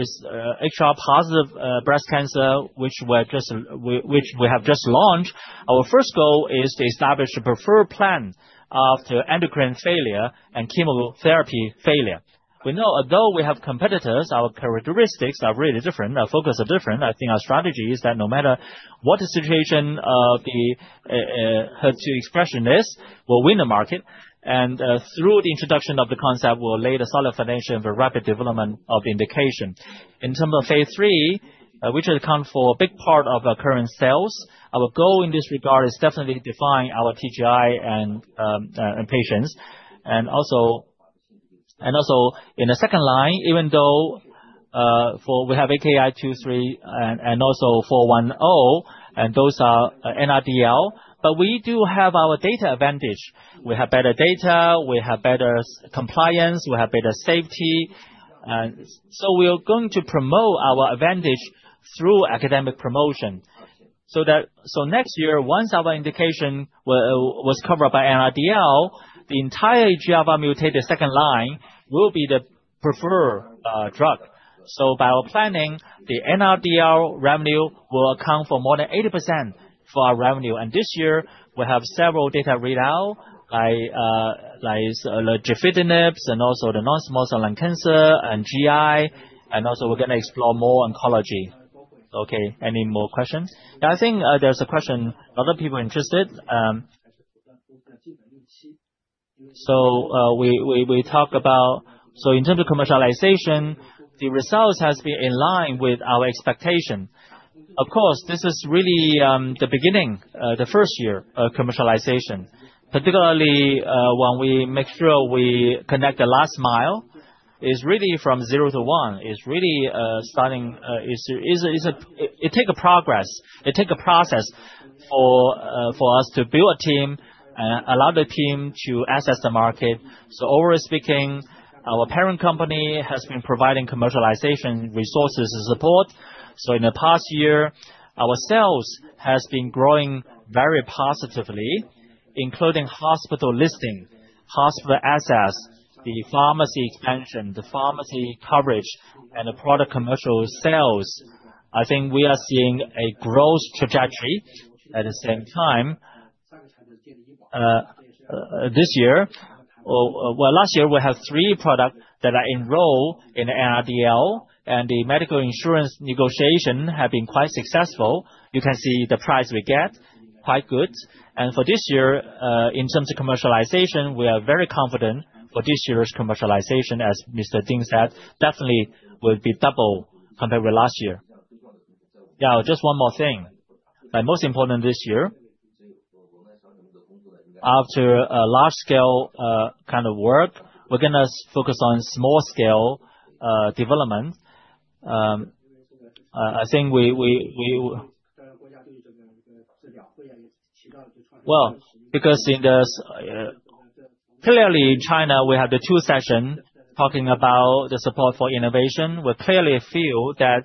breast cancer, which we have just launched. Our first goal is to establish a preferred plan after endocrine failure and chemotherapy failure. We know although we have competitors, our characteristics are really different. Our focus are different. I think our strategy is that no matter what the situation of the HER2 expression is, we'll win the market. Through the introduction of the concept, we'll lay the solid foundation for rapid development of the indication. In terms of phase III, which will account for a big part of our current sales, our goal in this regard is definitely define our TGI and patients. In the second line, even though for we have A223 and 410, and those are NRDL, but we do have our data advantage. We have better data, we have better compliance, we have better safety. We are going to promote our advantage through academic promotion. Next year, once our indication was covered by NRDL, the entire EGFR-mutated second-line will be the preferred drug. By our planning, the NRDL revenue will account for more than 80% of our revenue. This year, we have several data readouts like gefitinib, and also the non-small cell lung cancer and GI, and also we are going to explore more oncology. Okay. Any more questions? I think there's a question other people are interested in. We talk about commercialization. In terms of commercialization, the results has been in line with our expectation. Of course, this is really the beginning, the first year of commercialization. Particularly, when we make sure we connect the last mile, is really from zero to one, is really starting, is a-- It take a progress. It take a process for us to build a team and allow the team to access the market. Overall speaking, our parent company has been providing commercialization resources and support. In the past year, our sales has been growing very positively, including hospital listing, hospital access, the pharmacy expansion, the pharmacy coverage and the product commercial sales. I think we are seeing a growth trajectory at the same time. Well, last year, we had three products that are enrolled in the NRDL, and the medical insurance negotiation have been quite successful. You can see the price we get, quite good. For this year, in terms of commercialization, we are very confident for this year's commercialization, as Mr. Ding said, definitely will be double compared with last year. Yeah, just one more thing. The most important this year, after a large scale kind of work, we're gonna focus on small scale development. I think. Well, because clearly in China, we have the Two Sessions talking about the support for innovation. We clearly feel that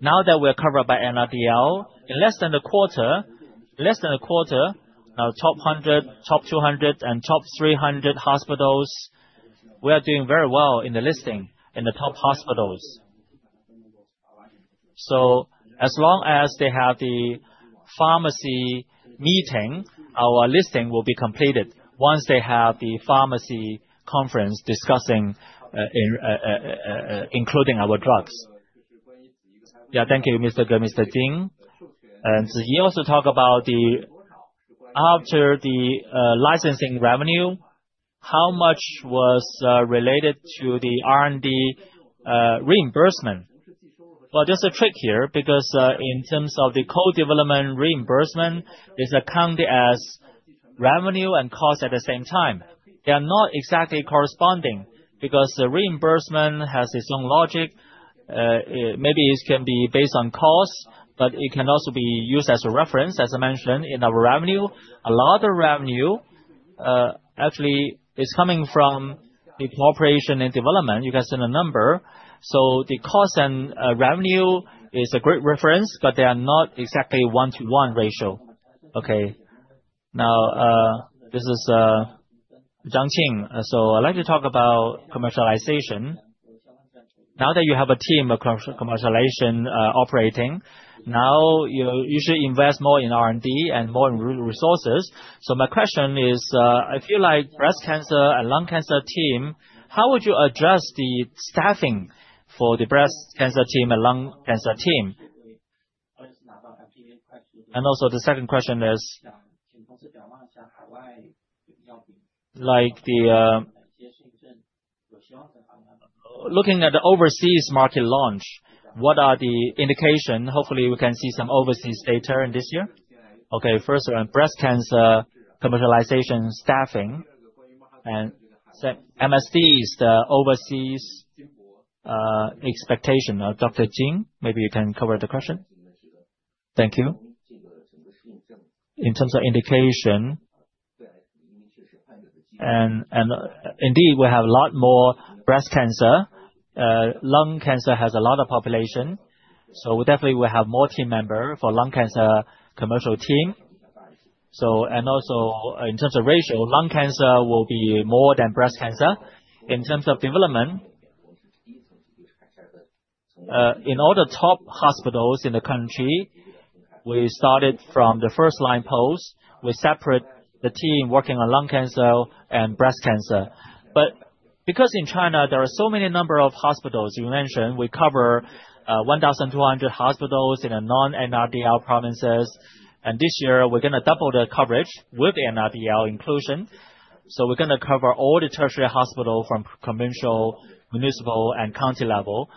now that we're covered by NRDL, in less than a quarter, our top 100, top 200 and top 300 hospitals, we are doing very well in the listing in the top hospitals. As long as they have the pharmacy meeting, our listing will be completed once they have the pharmacy conference discussing including our drugs. Yeah. Thank you, Mr. Ding. So he also talk about after the licensing revenue, how much was related to the R&D reimbursement? Well, there's a trick here, because in terms of the co-development reimbursement, it's accounted as revenue and cost at the same time. They are not exactly corresponding because the reimbursement has its own logic. Maybe it can be based on cost, but it can also be used as a reference, as I mentioned, in our revenue. A lot of revenue actually is coming from the cooperation and development. You can see the number. The cost and revenue is a great reference, but they are not exactly one-to-one ratio. Okay. Now this is Zhang Qing. I'd like to talk about commercialization. Now that you have a team of commercialization operating, now you know you should invest more in R&D and more in resources. My question is, if you like breast cancer and lung cancer team, how would you address the staffing for the breast cancer team and lung cancer team? Also the second question is like the looking at the overseas market launch, what are the indication? Hopefully, we can see some overseas data this year. Okay, first around breast cancer commercialization staffing and second, MSD is the overseas expectation. Now, Dr. Jin, maybe you can cover the question. Thank you. In terms of indication, and indeed, we have a lot more breast cancer, lung cancer has a lot of population, so definitely we have more team member for lung cancer commercial team. Also in terms of ratio, lung cancer will be more than breast cancer. In terms of development, in all the top hospitals in the country, we started from the first-line post. We separate the team working on lung cancer and breast cancer. Because in China, there are so many number of hospitals, you mentioned we cover 1,200 hospitals in non-NRDL provinces, and this year we're gonna double the coverage with NRDL inclusion. We're gonna cover all the tertiary hospital from commercial, municipal, and county level.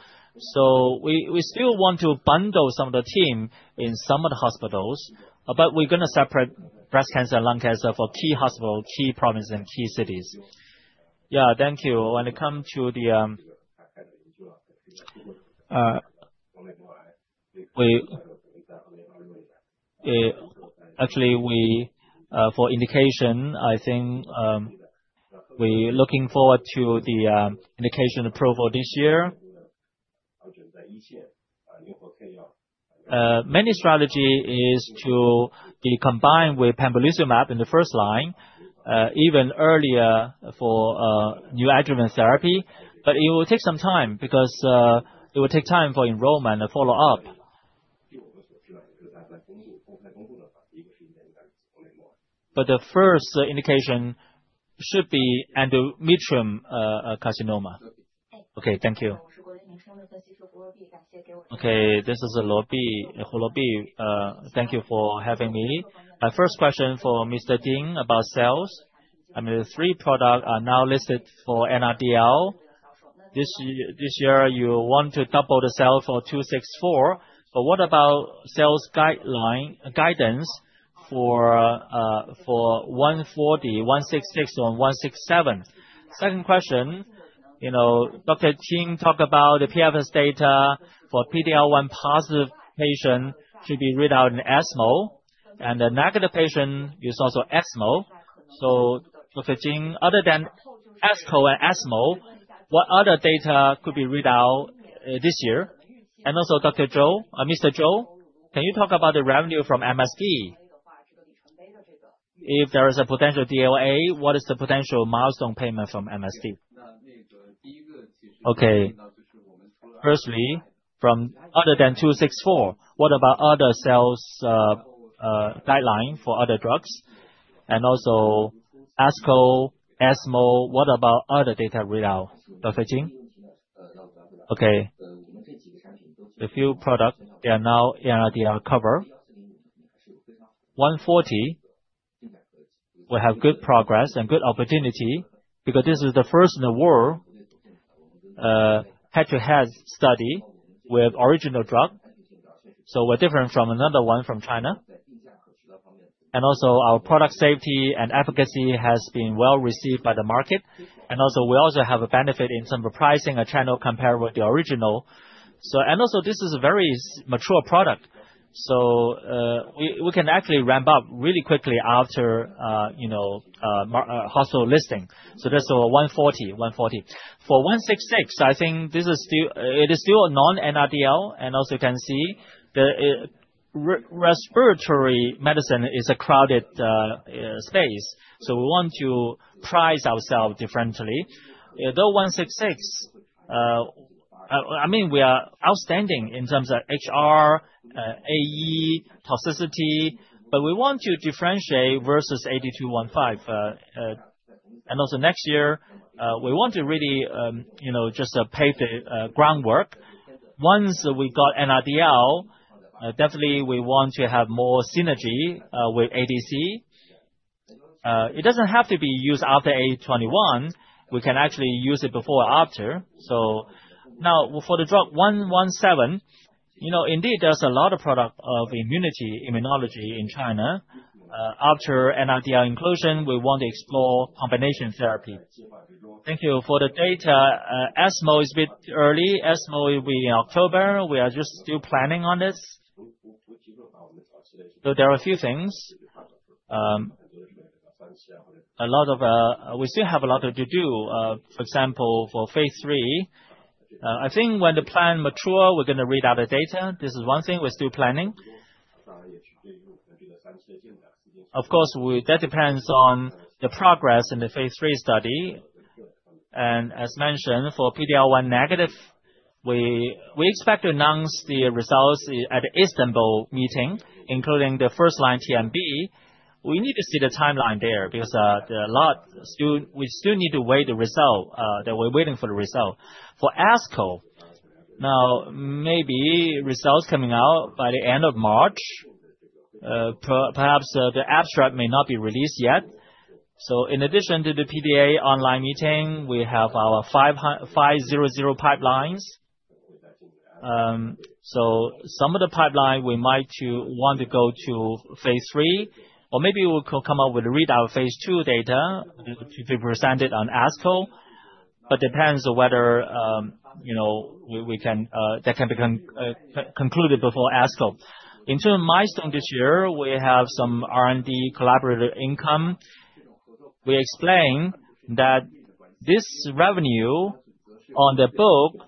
We still want to bundle some of the team in some of the hospitals, but we're gonna separate breast cancer and lung cancer for key hospital, key province, and key cities. Yeah, thank you. When it come to the, actually, for indication, I think, we're looking forward to the indication approval this year. Main strategy is to be combined with pembrolizumab in the first line, even earlier for neo-adjuvant therapy. It will take some time because it will take time for enrollment and follow-up. The first indication should be endometrial carcinoma. Okay, thank you. Okay, this is Olobi Olobi. Thank you for having me. My first question for Dr. Ding about sales. I mean, the three products are now listed for NRDL. This year you want to double the sales for SKB264, but what about sales guidance for A140, A166 or KL-A167? Second question, you know, Dr. Jin talked about the PFS data for PD-L1 positive patients to be read out in ESMO, and the negative patients are also ESMO. So Dr. Dr. Jin, other than ASCO and ESMO, what other data could be read out this year? Dr. Zhou, Mr. Zhou, can you talk about the revenue from MSD? If there is a potential BLA, what is the potential milestone payment from MSD? Okay. First, other than SKB264, what about other sales guideline for other drugs? ASCO, ESMO, what about other data readout, Dr. Jin? Okay. The few product they are now NRDL cover. A140 will have good progress and good opportunity because this is the first in the world head to head study with original drug. We're different from another one from China. Our product safety and efficacy has been well received by the market. We also have a benefit in some repricing at China compared with the original. This is a very mature product, so we can actually ramp up really quickly after, you know, market hospital listing. That's our A140. For A166, I think this is still, it is still a non-NRDL, and also you can see the respiratory medicine is a crowded space. We want to price ourselves differently. The A166, I mean, we are outstanding in terms of HR, AE toxicity, but we want to differentiate versus 8215. Next year, we want to really, you know, just pave the groundwork. Once we got NRDL, definitely we want to have more synergy with ADC. It doesn't have to be used after 821, we can actually use it before or after. Now for the drug 117, you know, indeed there's a lot of product of immunology in China. After NRDL inclusion, we want to explore combination therapy. Thank you. For the data, ESMO is a bit early. ESMO will be in October. We are just still planning on this. There are a few things. We still have a lot to do. For example, for phase III, I think when the plan mature, we're gonna read out the data. This is one thing we're still planning. Of course, that depends on the progress in the phase III study. As mentioned, for PD-L1 negative, we expect to announce the results at the Istanbul meeting, including the first line TMB. We need to see the timeline there because there are a lot still. We still need to wait the result that we're waiting for the result. For ASCO, now maybe results coming out by the end of March. Perhaps the abstract may not be released yet. In addition to the PDA online meeting, we have our 500 pipelines. Some of the pipeline we might want to go to phase III, or maybe we could come up with readout phase II data to be presented on ASCO, but depends on whether, you know, we can conclude that before ASCO. In terms of milestone this year, we have some R&D collaborative income. We explain that this revenue on the book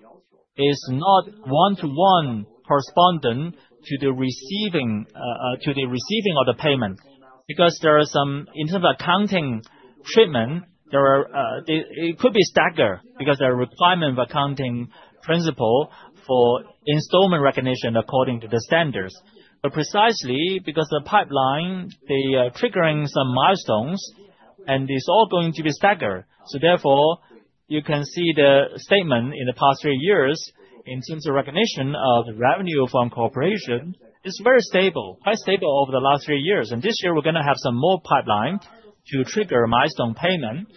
is not one-to-one correspondent to the receiving of the payment, because there are some in terms of accounting treatment. There are, it could be staggered because there are requirements of accounting principle for installment recognition according to the standards. Precisely because the pipeline, they are triggering some milestones, and it's all going to be staggered. Therefore, you can see the statement in the past three years in terms of recognition of the revenue from collaborations is very stable, quite stable over the last three years. This year we're gonna have some more pipeline to trigger milestone payment,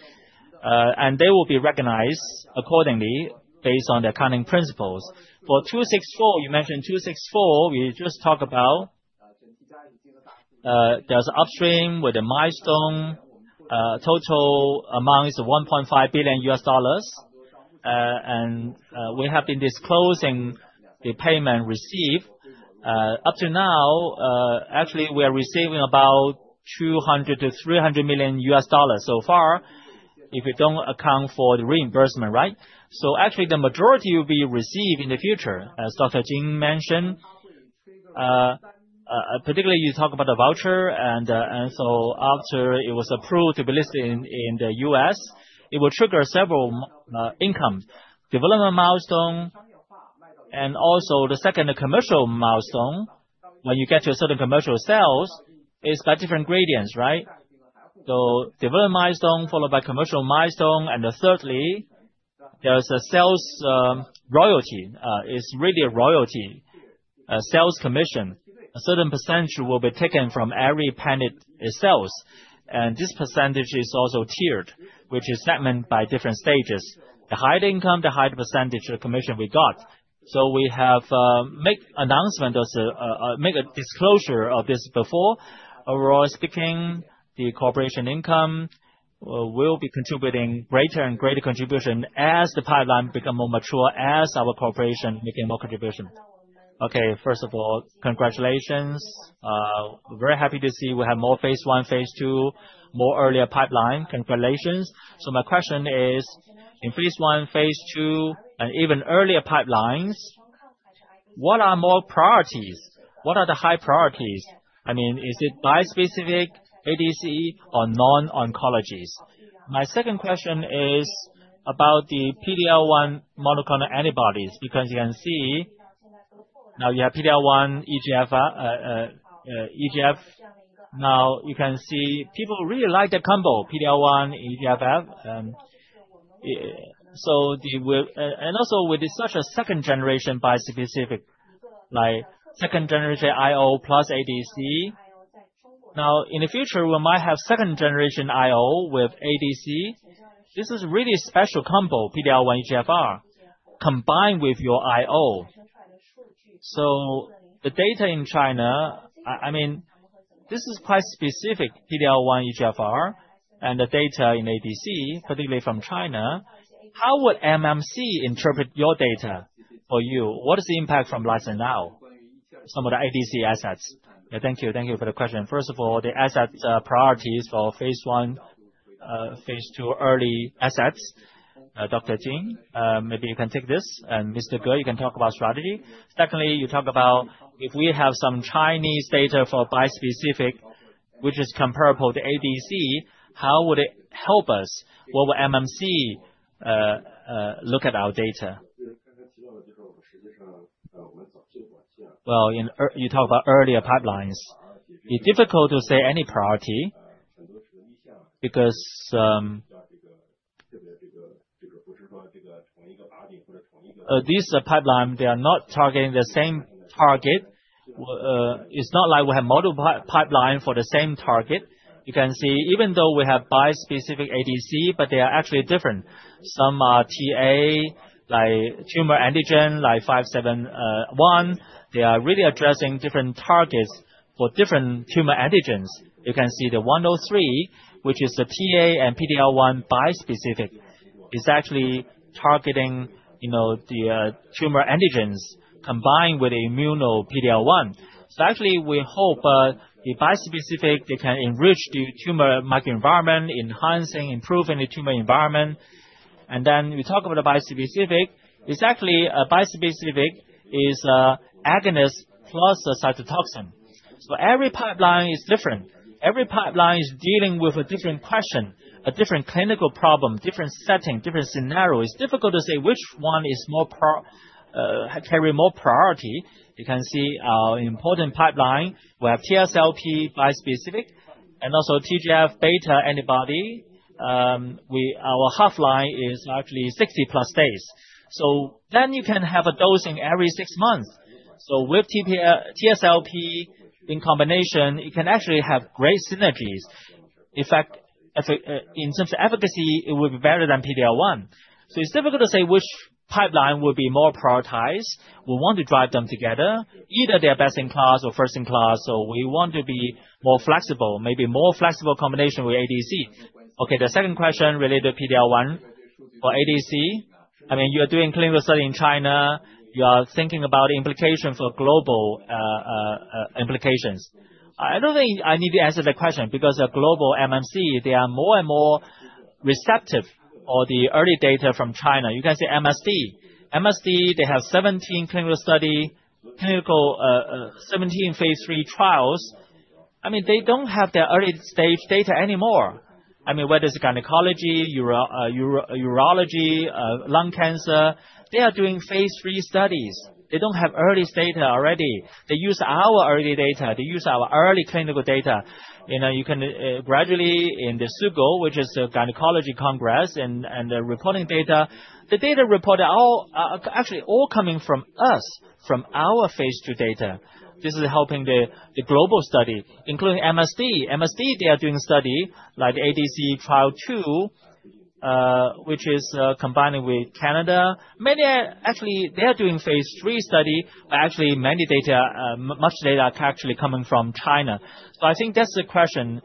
and they will be recognized accordingly based on the accounting principles. For SKB264, you mentioned SKB264, we just talked about, there's upstream with the milestone. Total amount is $1.5 billion. We have been disclosing the payment received. Up to now, actually we are receiving about $200 million-$300 million so far, if you don't account for the reimbursement, right? Actually the majority will be received in the future, as Dr. Jin mentioned. Particularly you talk about the voucher and so after it was approved to be listed in the U.S., it will trigger several income development milestone and also the second commercial milestone when you get to a certain commercial sales is by different gradients, right? Development milestone, followed by commercial milestone, and then thirdly, there's a sales royalty. It's really a royalty, a sales commission. A certain percentage will be taken from every product it sells. This percentage is also tiered, which is segment by different stages. The higher the income, the higher the percentage of commission we got. We have make a disclosure of this before. Overall speaking, the corporation income will be contributing greater and greater contribution as the pipeline become more mature, as our corporation making more contributions. Okay. First of all, congratulations. We're very happy to see we have more phase I, phase II, more earlier pipeline. Congratulations. My question is, in phase I, phase II, and even earlier pipelines, what are more priorities? What are the high priorities? I mean, is it bispecific ADC or non-oncologies? My second question is about the PD-L1 monoclonal antibodies, because you can see now you have PD-L1 EGFR, EGF. Now you can see people really like the combo PD-L1, EGFR. With such a second generation bispecific, like second generation IO plus ADC. In the future, we might have second generation IO with ADC. This is really special combo, PD-L1, EGFR, combined with your IO. The data in China, I mean, this is quite specific, PD-L1, EGFR, and the data in ADC, particularly from China. How would MNC interpret your data for you? What is the impact from last and now, some of the ADC assets? Thank you. Thank you for the question. First of all, the assets, priorities for phase I, phase II early assets. Dr. Jin, maybe you can take this, and Mr. Ge, you can talk about strategy. Secondly, you talk about if we have some Chinese data for bispecific, which is comparable to ADC, how would it help us? What would MMC look at our data? Well, you talk about earlier pipelines. It's difficult to say any priority because this pipeline, they are not targeting the same target. It's not like we have multiple pipeline for the same target. You can see even though we have bispecific ADC, but they are actually different. Some are TA, like tumor antigen, like SKB571. They are really addressing different targets for different tumor antigens. You can see the SKB103, which is a TA and PD-L1 bispecific, is actually targeting, you know, the tumor antigens combined with immuno PD-L1. So actually we hope the bispecific, they can enrich the tumor microenvironment, enhancing, improving the tumor environment. Then we talk about the bispecific. Exactly, a bispecific is a agonist plus a cytotoxin. So every pipeline is different. Every pipeline is dealing with a different question, a different clinical problem, different setting, different scenario. It's difficult to say which one will carry more priority. You can see our important pipeline. We have TSLP bispecific, and also TGF-beta antibody. Our half-life is actually 60+ days. You can have a dosing every six months. With TSLP in combination, it can actually have great synergies. In fact, in terms of efficacy, it would be better than PD-L1. It's difficult to say which pipeline will be more prioritized. We want to drive them together. Either they are best-in-class or first-in-class, we want to be more flexible, maybe more flexible combination with ADC. Okay, the second question related to PD-L1 or ADC. I mean, you are doing clinical study in China. You are thinking about implications for global implications. I don't think I need to answer the question because a global MNC, they are more and more receptive for the early data from China. You can say MSD. MSD, they have 17 clinical studies, 17 phase III trials. I mean, they don't have the early stage data anymore. I mean, whether it's gynecology, urology, lung cancer, they are doing phase III studies. They don't have early data already. They use our early data. They use our early clinical data. You know, you can gradually in the SGO, which is a gynecology congress and reporting data, the data reports are all actually all coming from us, from our phase II data. This is helping the global study, including MSD. MSD, they are doing study like ADC trial two, which is combining with Canada. Actually, they are doing phase III study. Actually, much data are actually coming from China. So I think that's the question,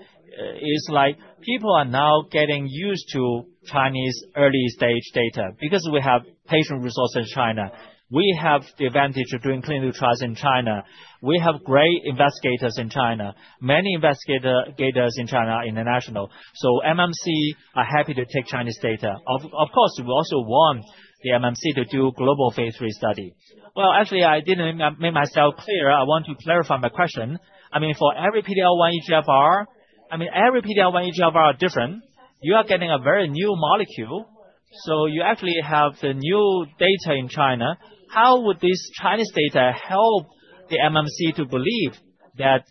is like people are now getting used to Chinese early stage data because we have patient resource in China. We have the advantage of doing clinical trials in China. We have great investigators in China. Many investigators in China are international. So MNCs are happy to take Chinese data. Of course, we also want the MNCs to do global phase III study. Well, actually, I didn't make myself clear. I want to clarify my question. I mean, for every PD-L1 EGFR, I mean, every PD-L1 EGFR are different. You are getting a very new molecule, so you actually have the new data in China. How would this Chinese data help the MNC to believe that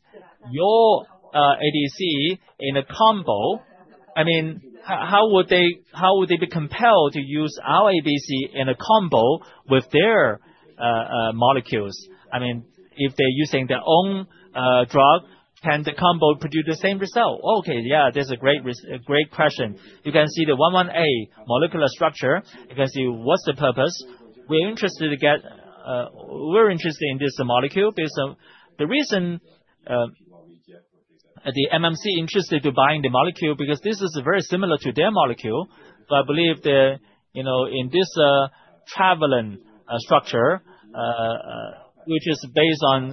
your ADC in a combo—I mean, how would they be compelled to use our ADC in a combo with their molecules? I mean, if they're using their own drug, can the combo produce the same result? Okay. Yeah. That's a great question. You can see the 11A molecular structure. You can see what's the purpose. We're interested in this molecule based on the reason the MNC is interested in buying the molecule, because this is very similar to their molecule. I believe you know, in this traveling structure, which is based on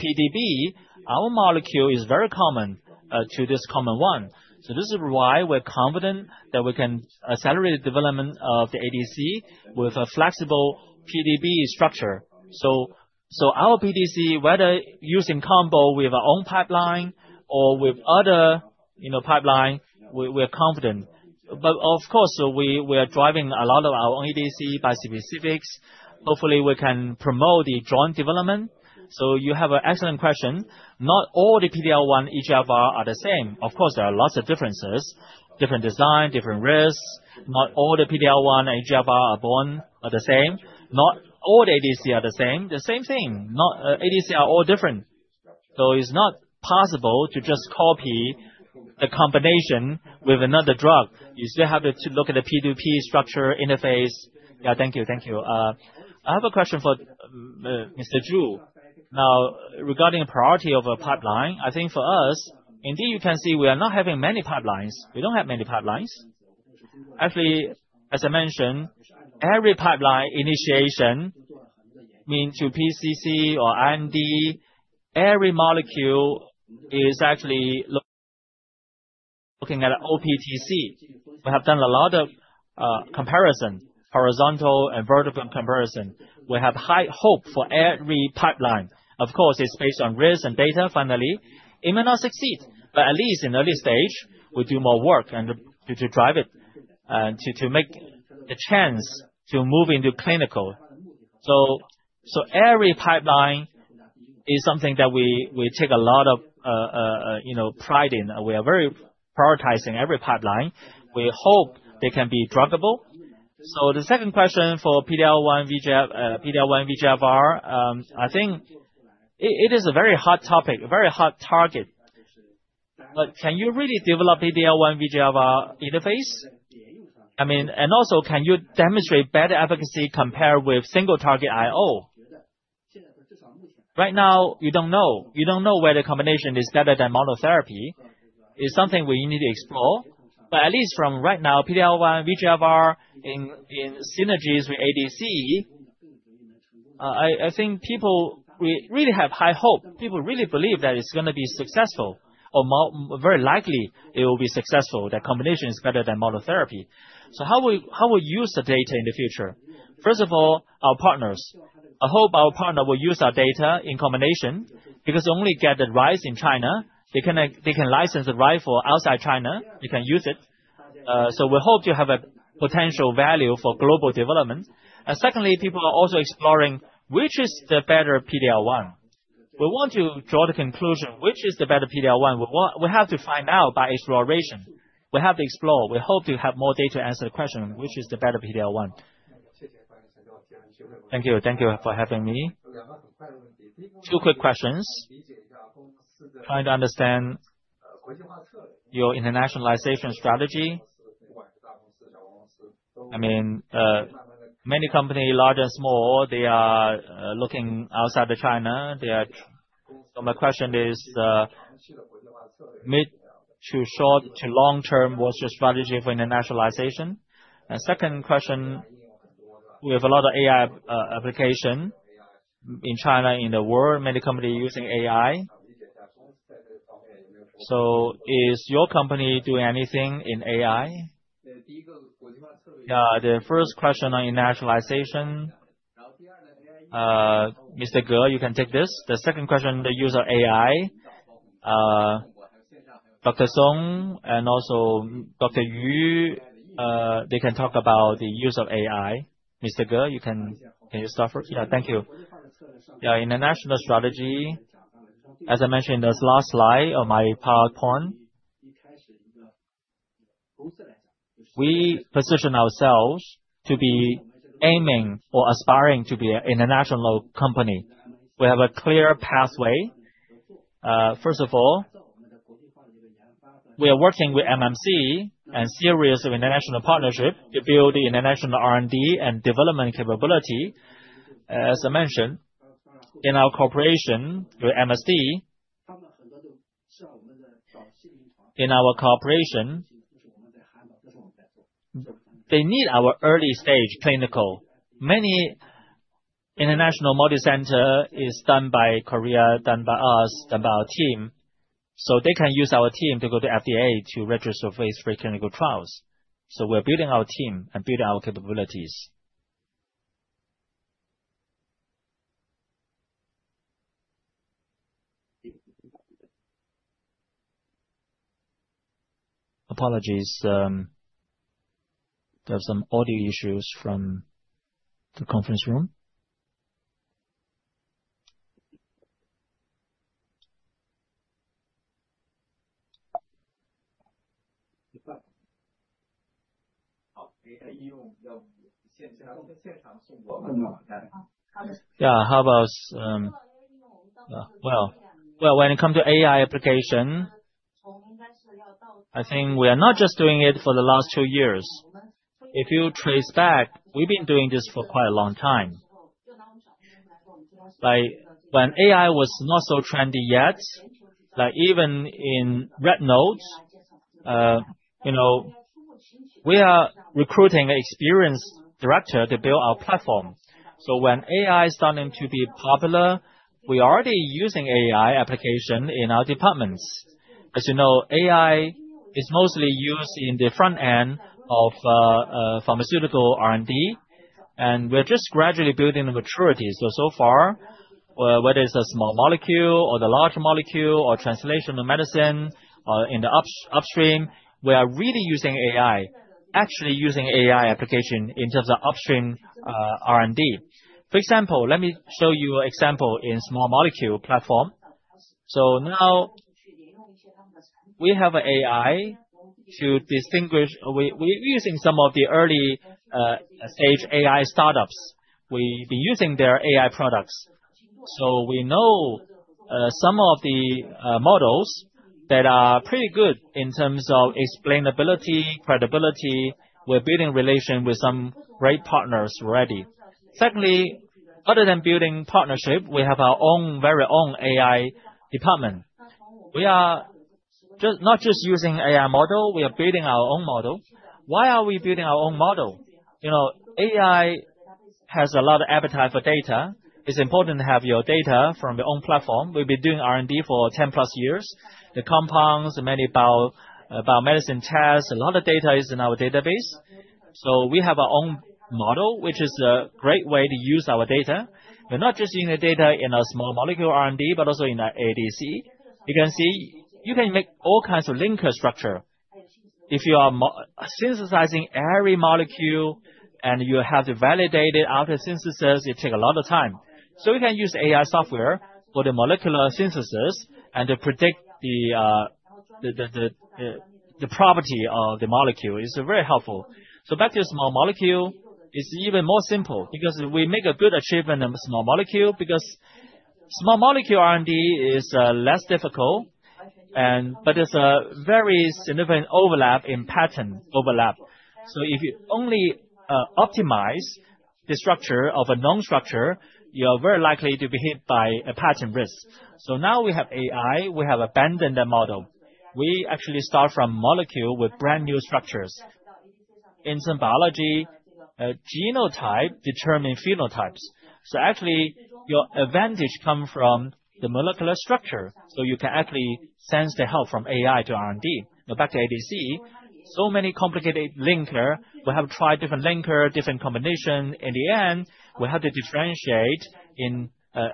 PDB, our molecule is very common to this common one. This is why we're confident that we can accelerate development of the ADC with a flexible PDB structure. Our ADC, whether using combo with our own pipeline or with other, you know, pipeline, we're confident. But of course, we are driving a lot of our own ADC bispecifics. Hopefully, we can promote the joint development. You have an excellent question. Not all the PD-L1 EGFR are the same. Of course, there are lots of differences, different design, different risks. Not all the PD-L1 EGFR are the same. Not all the ADC are the same. The same thing, ADC are all different. It's not possible to just copy the combination with another drug. You still have to look at the P2P structure interface. Yeah. Thank you. Thank you. I have a question for Mr. Ge. Now, regarding priority of a pipeline, I think for us, indeed, you can see we are not having many pipelines. We don't have many pipelines. Actually, as I mentioned, every pipeline initiation mean to PCC or IMD, every molecule is actually looking at OptiDC. We have done a lot of comparison, horizontal and vertical comparison. We have high hope for every pipeline. Of course, it's based on risks and data finally. It may not succeed, but at least in early stage, we do more work and to drive it and to make a chance to move into clinical. Every pipeline is something that we take a lot of, you know, pride in. We are very prioritizing every pipeline. We hope they can be drugable. The second question for PD-L1 VEGF—PD-L1 VEGFR, I think it is a very hot topic, a very hot target. But can you really develop PD-L1 VEGFR interface? Also, can you demonstrate better efficacy compared with single target IO? Right now, we don't know. We don't know whether combination is better than monotherapy. It's something we need to explore. But at least from right now, PD-L1 VEGFR in synergies with ADC, I think people really have high hope. People really believe that it's gonna be successful, very likely it will be successful, that combination is better than monotherapy. How we use the data in the future? First of all, our partners. I hope our partner will use our data in combination because they only get the rights in China, they can license the rights for outside China, they can use it. So we hope to have a potential value for global development. Secondly, people are also exploring which is the better PD-L1. We want to draw the conclusion, which is the better PD-L1? We have to find out by exploration. We have to explore. We hope to have more data to answer the question, which is the better PD-L1. Thank you. Thank you for having me. Two quick questions. Trying to understand your internationalization strategy. I mean, many companies, large and small, they are looking outside of China. They are. So my question is, mid- to short- to long-term, what's your strategy for internationalization? Second question, we have a lot of AI application in China, in the world, many company using AI. So is your company doing anything in AI? The first question on internationalization, Mr. Ge, you can take this. The second question, the use of AI, Dr. Song and also Dr. Yu, they can talk about the use of AI. Mr. Ge, you can. Can you start first? Thank you. International strategy, as I mentioned in the last slide on my PowerPoint. We position ourselves to be aiming or aspiring to be an international company. We have a clear pathway. First of all, we are working with MNCs and series of international partnership to build the international R&D and development capability. As I mentioned, in our cooperation with MSD, in our cooperation, they need our early-stage clinical. Many international multi-center is done by Kelun, done by us, done by our team. They can use our team to go to FDA to register phase III clinical trials. We're building our team and building our capabilities. Apologies, there are some audio issues from the conference room. Well, when it comes to AI application, I think we are not just doing it for the last two years. If you trace back, we've been doing this for quite a long time. Back when AI was not so trendy yet, like, even in red notes, you know, we are recruiting an experienced director to build our platform. When AI started to be popular, we are already using AI application in our departments. As you know, AI is mostly used in the front end of pharmaceutical R&D, and we're just gradually building the maturity. So far, whether it's a small molecule or the large molecule or translational medicine, in the upstream, we are really using AI, actually using AI application in terms of upstream R&D. For example, let me show you example in small molecule platform. Now we have AI to distinguish. We're using some of the early stage AI startups. We've been using their AI products. We know some of the models that are pretty good in terms of explainability, credibility. We're building relation with some great partners already. Secondly, other than building partnership, we have our own, very own AI department. We are not just using AI model, we are building our own model. Why are we building our own model? You know, AI has a lot of appetite for data. It's important to have your data from your own platform. We've been doing R&D for 10+ years. The compounds, many bio, biomedicine tests, a lot of data is in our database. We have our own model, which is a great way to use our data. We're not just using the data in a small molecule R&D, but also in our ADC. You can see, you can make all kinds of linker structure. If you are synthesizing every molecule, and you have to validate it after synthesis, it take a lot of time. We can use AI software for the molecular synthesis and to predict the property of the molecule. It's very helpful. Back to your small molecule, it's even more simple because we make a good achievement in small molecule because small molecule R&D is less difficult, but it's a very significant overlap in patent overlap. If you only optimize the structure of a known structure, you are very likely to be hit by a patent risk. Now we have AI, we have abandoned the model. We actually start from molecule with brand-new structures. In some biology, genotype determine phenotypes. Actually, your advantage come from the molecular structure, so you can actually sense the help from AI to R&D. Back to ADC, so many complicated linker. We have tried different linker, different combination. In the end, we have to differentiate in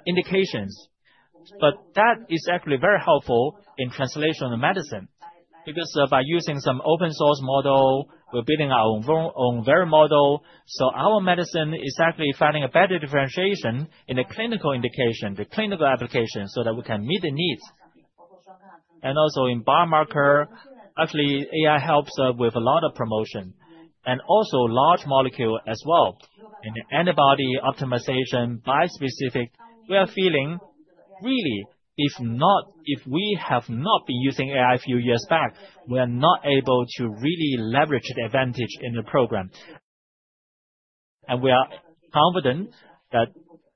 indications. That is actually very helpful in translation of medicine because by using some open source model, we're building our own very model. Our medicine is actually finding a better differentiation in the clinical indication, the clinical application, so that we can meet the needs. In biomarker, actually AI helps with a lot of promotion, and also large molecule as well. In antibody optimization bispecific, we are feeling really if we have not been using AI a few years back, we are not able to really leverage the advantage in the program. We are confident that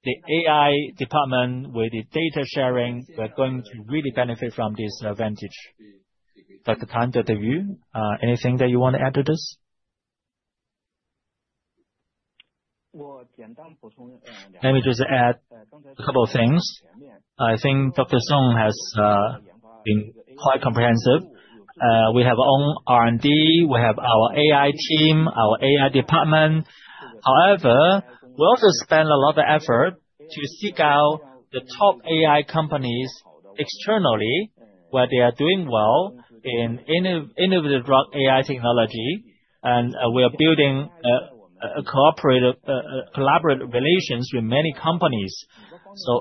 the AI department with the data sharing, we're going to really benefit from this advantage. Dr. Tan, anything that you want to add to this? Let me just add a couple of things. I think Dr. Song has been quite comprehensive. We have our own R&D, we have our AI team, our AI department. However, we also spend a lot of effort to seek out the top AI companies externally, where they are doing well in innovative drug AI technology. We are building a cooperative, collaborative relations with many companies.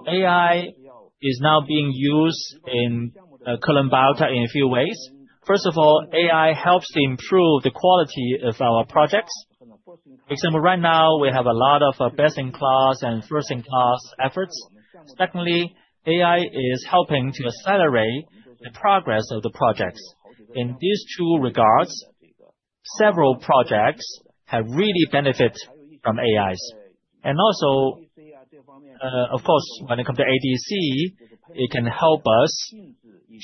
AI is now being used in Kelun-Biotech in a few ways. First of all, AI helps to improve the quality of our projects. Example, right now we have a lot of best-in-class and first-in-class efforts. Secondly, AI is helping to accelerate the progress of the projects. In these two regards, several projects have really benefit from AIs. Of course, when it comes to ADC, it can help us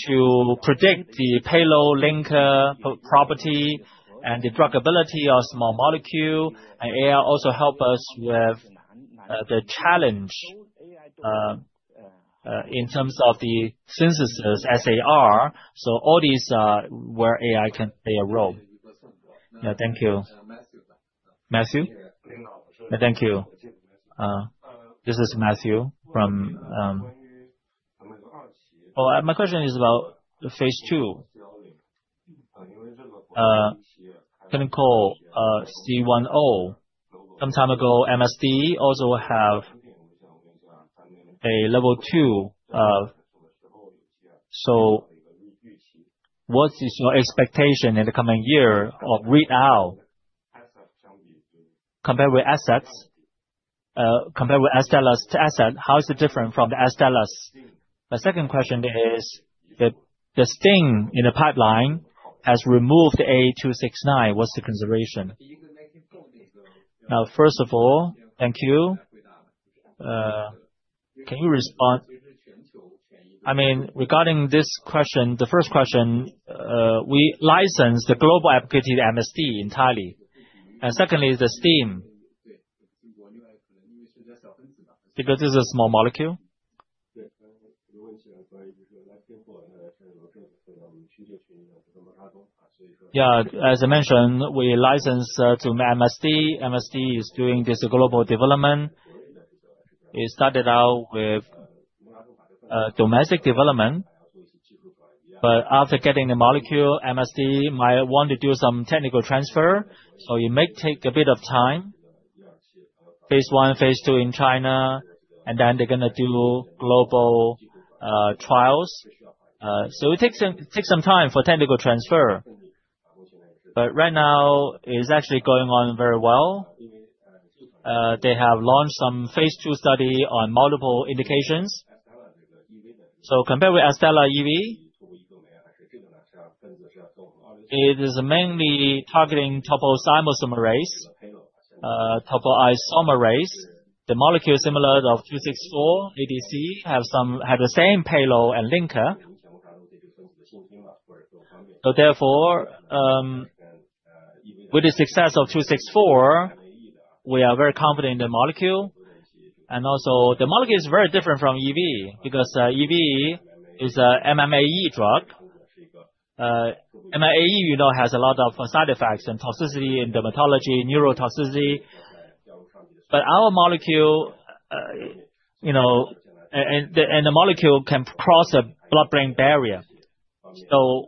to predict the payload linker pro-property and the drug ability of small molecule, and AI also help us with the challenge in terms of the synthesis SAR. So all these are where AI can play a role. Thank you. Matthew. Matthew? Yeah. Thank you. This is Matthew from. My question is about the phase II clinical C1O. Some time ago, MSD also have a phase II. So what is your expectation in the coming year of read out compared with assets, compared with Astellas to asset, how is it different from the Astellas? The second question is, the STING in the pipeline has removed A296. What's the consideration? Now, first of all, thank you. Can you respond? I mean, regarding this question, the first question, we licensed the global application to MSD entirely. Secondly, the STING. Because this is a small molecule. Yeah. As I mentioned, we licensed to MSD. MSD is doing this global development. It started out with domestic development. After getting the molecule, MSD might want to do some technical transfer, so it may take a bit of time. Phase I, phase II in China, and then they're gonna do global trials. So it takes some time for technical transfer. Right now it's actually going on very well. They have launched some phase II study on multiple indications. Compared with Astellas EV, it is mainly targeting topoisomerase. The molecule similar to SKB264 ADC had the same payload and linker. With the success of SKB264, we are very confident in the molecule. Also, the molecule is very different from EV, because EV is a MMAE drug. MMAE, you know, has a lot of side effects and toxicity in dermatology, neurotoxicity. But our molecule, you know, and the molecule can cross a blood-brain barrier.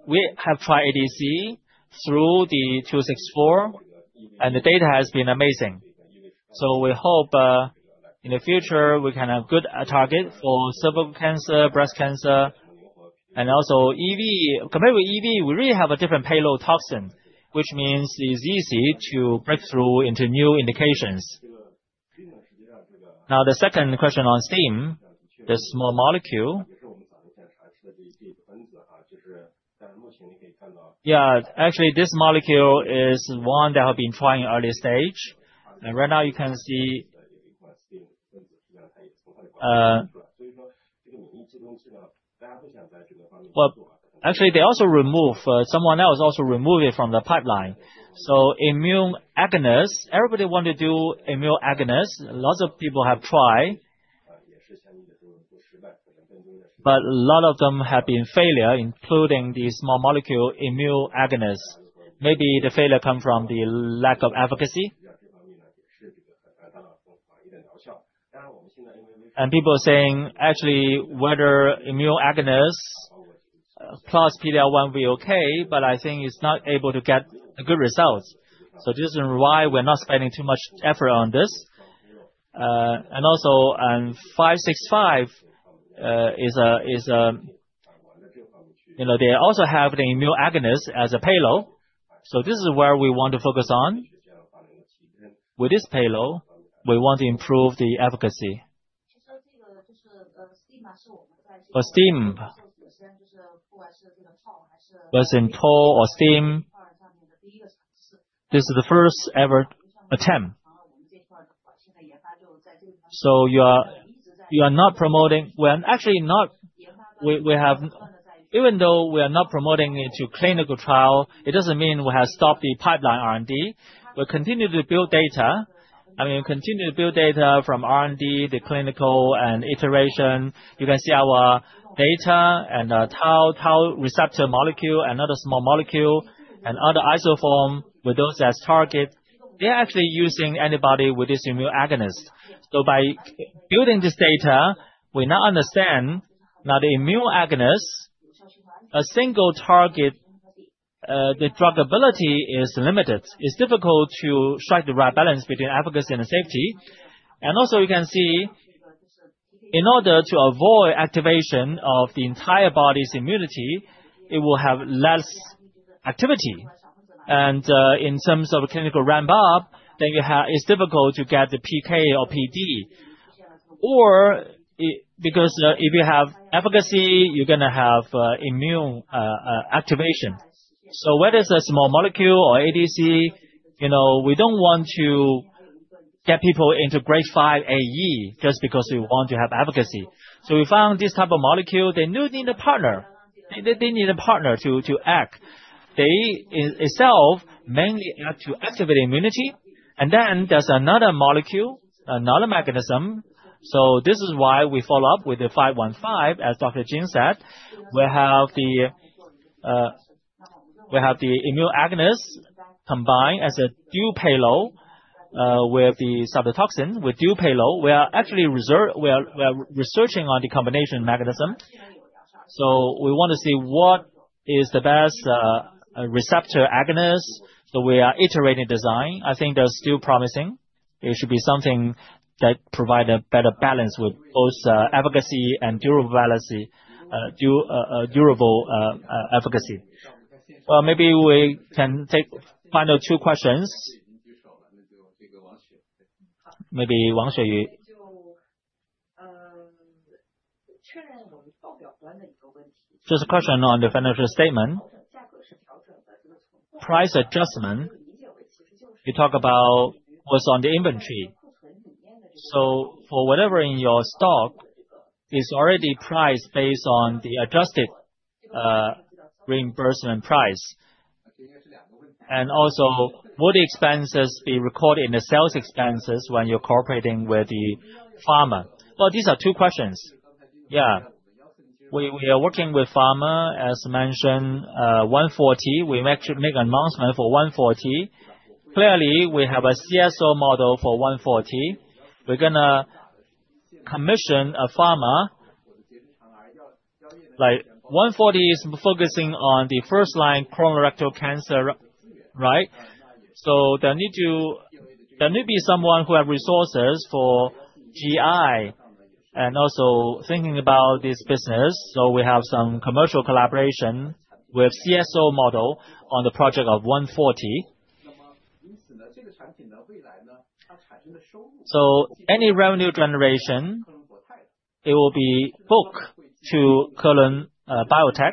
We have tried ADC through the SKB264, and the data has been amazing. We hope, in the future, we can have good target for cervical cancer, breast cancer. Also EV, compared with EV, we really have a different payload toxin, which means it's easy to break through into new indications. Now, the second question on STING, the small molecule. Yeah. Actually this molecule is one that I've been trying in early stage. Right now you can see, well, actually they also remove, someone else also remove it from the pipeline. Immune agonist, everybody want to do immune agonist, lots of people have tried. A lot of them have been failure, including the small molecule immune agonist. Maybe the failure come from the lack of efficacy. People are saying, actually, whether immune agonist plus PD-L1 will be okay, but I think it's not able to get good results. This is why we're not spending too much effort on this. Also on SKB565, is a. You know, they also have the immune agonist as a payload. This is where we want to focus on. With this payload, we want to improve the efficacy. For STING, whether it's in Toll or STING, this is the first ever attempt. You're not promoting it to clinical trial. It doesn't mean we have stopped the pipeline R&D. We continue to build data. I mean, we continue to build data from R&D, the clinical and iteration. You can see our data and our Toll-like receptor molecule and other small molecule and other isoform with those as target. They're actually using antibody with this immune agonist. By building this data, we now understand that immune agonist, a single target, the druggability is limited. It's difficult to strike the right balance between efficacy and safety. You can see, in order to avoid activation of the entire body's immunity, it will have less activity. In terms of clinical ramp up, it's difficult to get the PK or PD. Because if you have efficacy, you're gonna have immune activation. Whether it's a small molecule or ADC, you know, we don't want to get people into Grade 5 AE just because we want to have efficacy. We found this type of molecule, they need a partner. They need a partner to act. It itself mainly act to activate immunity. Then there's another molecule, another mechanism. This is why we follow up with the 515, as Dr. Jin said. We have the immune agonist combined as a dual payload with the cytotoxin. With dual payload, we are actually researching on the combination mechanism. We wanna see what is the best receptor agonist. We are iterating design. I think that's still promising. It should be something that provide a better balance with both efficacy and durability, durable efficacy. Well, maybe we can take final two questions. Maybe Wang Shu Yu. Just a question on the financial statement. Price adjustment, you talk about what's on the inventory. So for whatever in your stock, it's already priced based on the adjusted reimbursement price. And also, would the expenses be recorded in the sales expenses when you're cooperating with the pharma? Well, these are two questions. Yeah. We are working with pharma. As mentioned, A140, we should make announcement for A140. Clearly, we have a CSO model for A140. We're gonna commission a pharma. Like, A140 is focusing on the first line colorectal cancer, right? There need to be someone who have resources for GI, and also thinking about this business. We have some commercial collaboration with CSO model on the project of A140. Any revenue generation, it will be booked to Kelun-Biotech.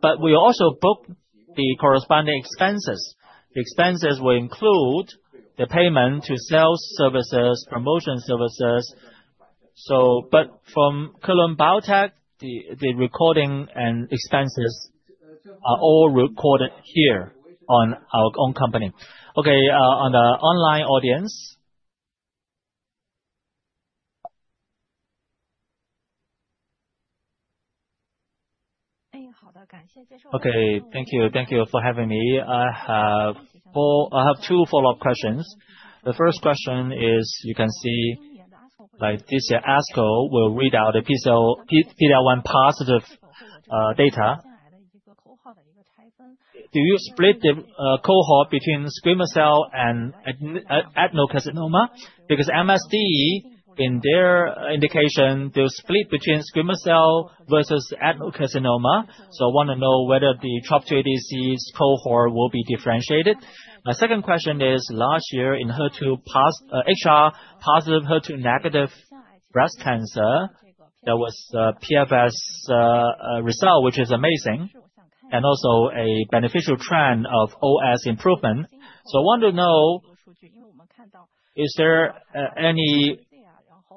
But we also book the corresponding expenses. The expenses will include the payment to sales services, promotion services. From Kelun-Biotech, the revenues and expenses are all recorded here on our own company. Okay, now to the online audience. Okay, thank you. Thank you for having me. I have two follow-up questions. The first question is, you can see this year ASCO will read out a PD-L1 positive data. Do you split the cohort between squamous cell and adenocarcinoma? Because MSD, in their indication, they'll split between squamous cell versus adenocarcinoma. I wanna know whether the TROP2 ADCs cohort will be differentiated. My second question is, last year in HR positive, HER2 negative breast cancer, there was a PFS result, which is amazing. Also a beneficial trend of OS improvement. I want to know, is there any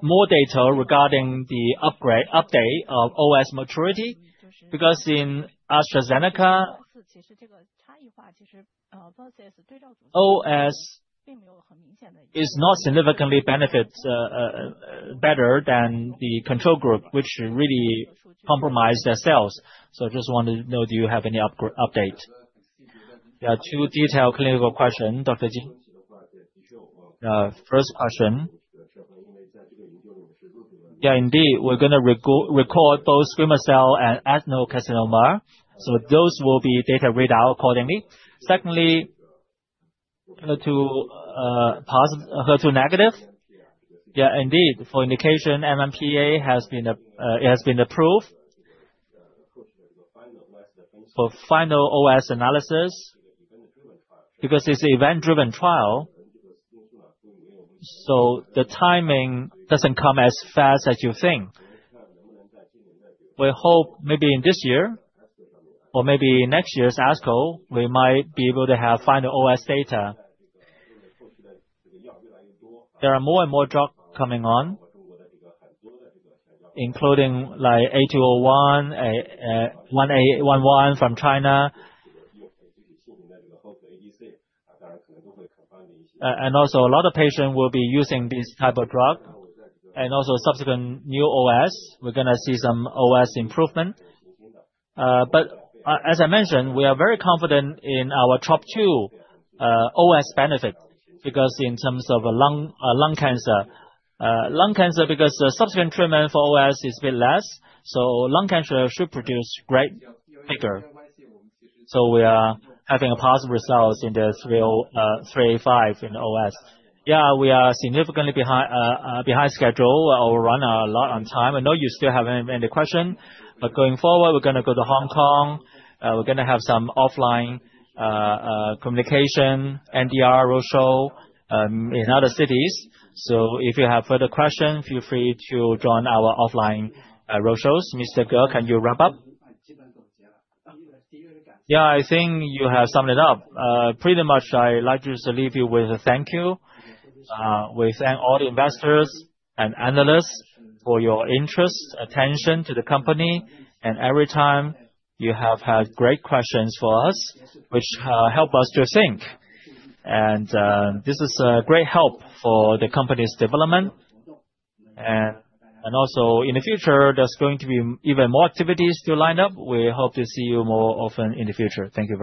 more data regarding the update of OS maturity? Because in AstraZeneca OS is not significantly better than the control group, which really compromised themselves. I just wanted to know, do you have any update? Yeah. Two detailed clinical question, Dr. Jin. First question. Yeah, indeed, we're gonna record both squamous cell and adenocarcinoma. Those will be data readout accordingly. Secondly, kind of to HER2 negative. Yeah, indeed, for indication, NMPA has been, it has been approved. For final OS analysis, because it's event-driven trial, the timing doesn't come as fast as you think. We hope maybe in this year or maybe next year's ASCO, we might be able to have final OS data. There are more and more drug coming on, including like A201, 1811 from China. A lot of patients will be using this type of drug and also subsequent new OS. We're gonna see some OS improvement. As I mentioned, we are very confident in our TROP2 OS benefit because in terms of lung cancer, the subsequent treatment for OS is a bit less, so lung cancer should produce great figure. We are having positive results in the OptiTROP in OS. Yeah, we are significantly behind schedule. I will run a little overtime. I know you still have many questions, but going forward, we're gonna go to Hong Kong. We're gonna have some offline communication, our roadshow in other cities. So if you have further questions, feel free to join our offline roadshows. Mr. Ge, can you wrap up? Yeah, I think you have summed it up. Pretty much I'd like just to leave you with a thank you. We thank all the investors and analysts for your interest, attention to the company. Every time you have had great questions for us, which help us to think. This is a great help for the company's development. Also in the future, there's going to be even more activities to line up. We hope to see you more often in the future. Thank you very much.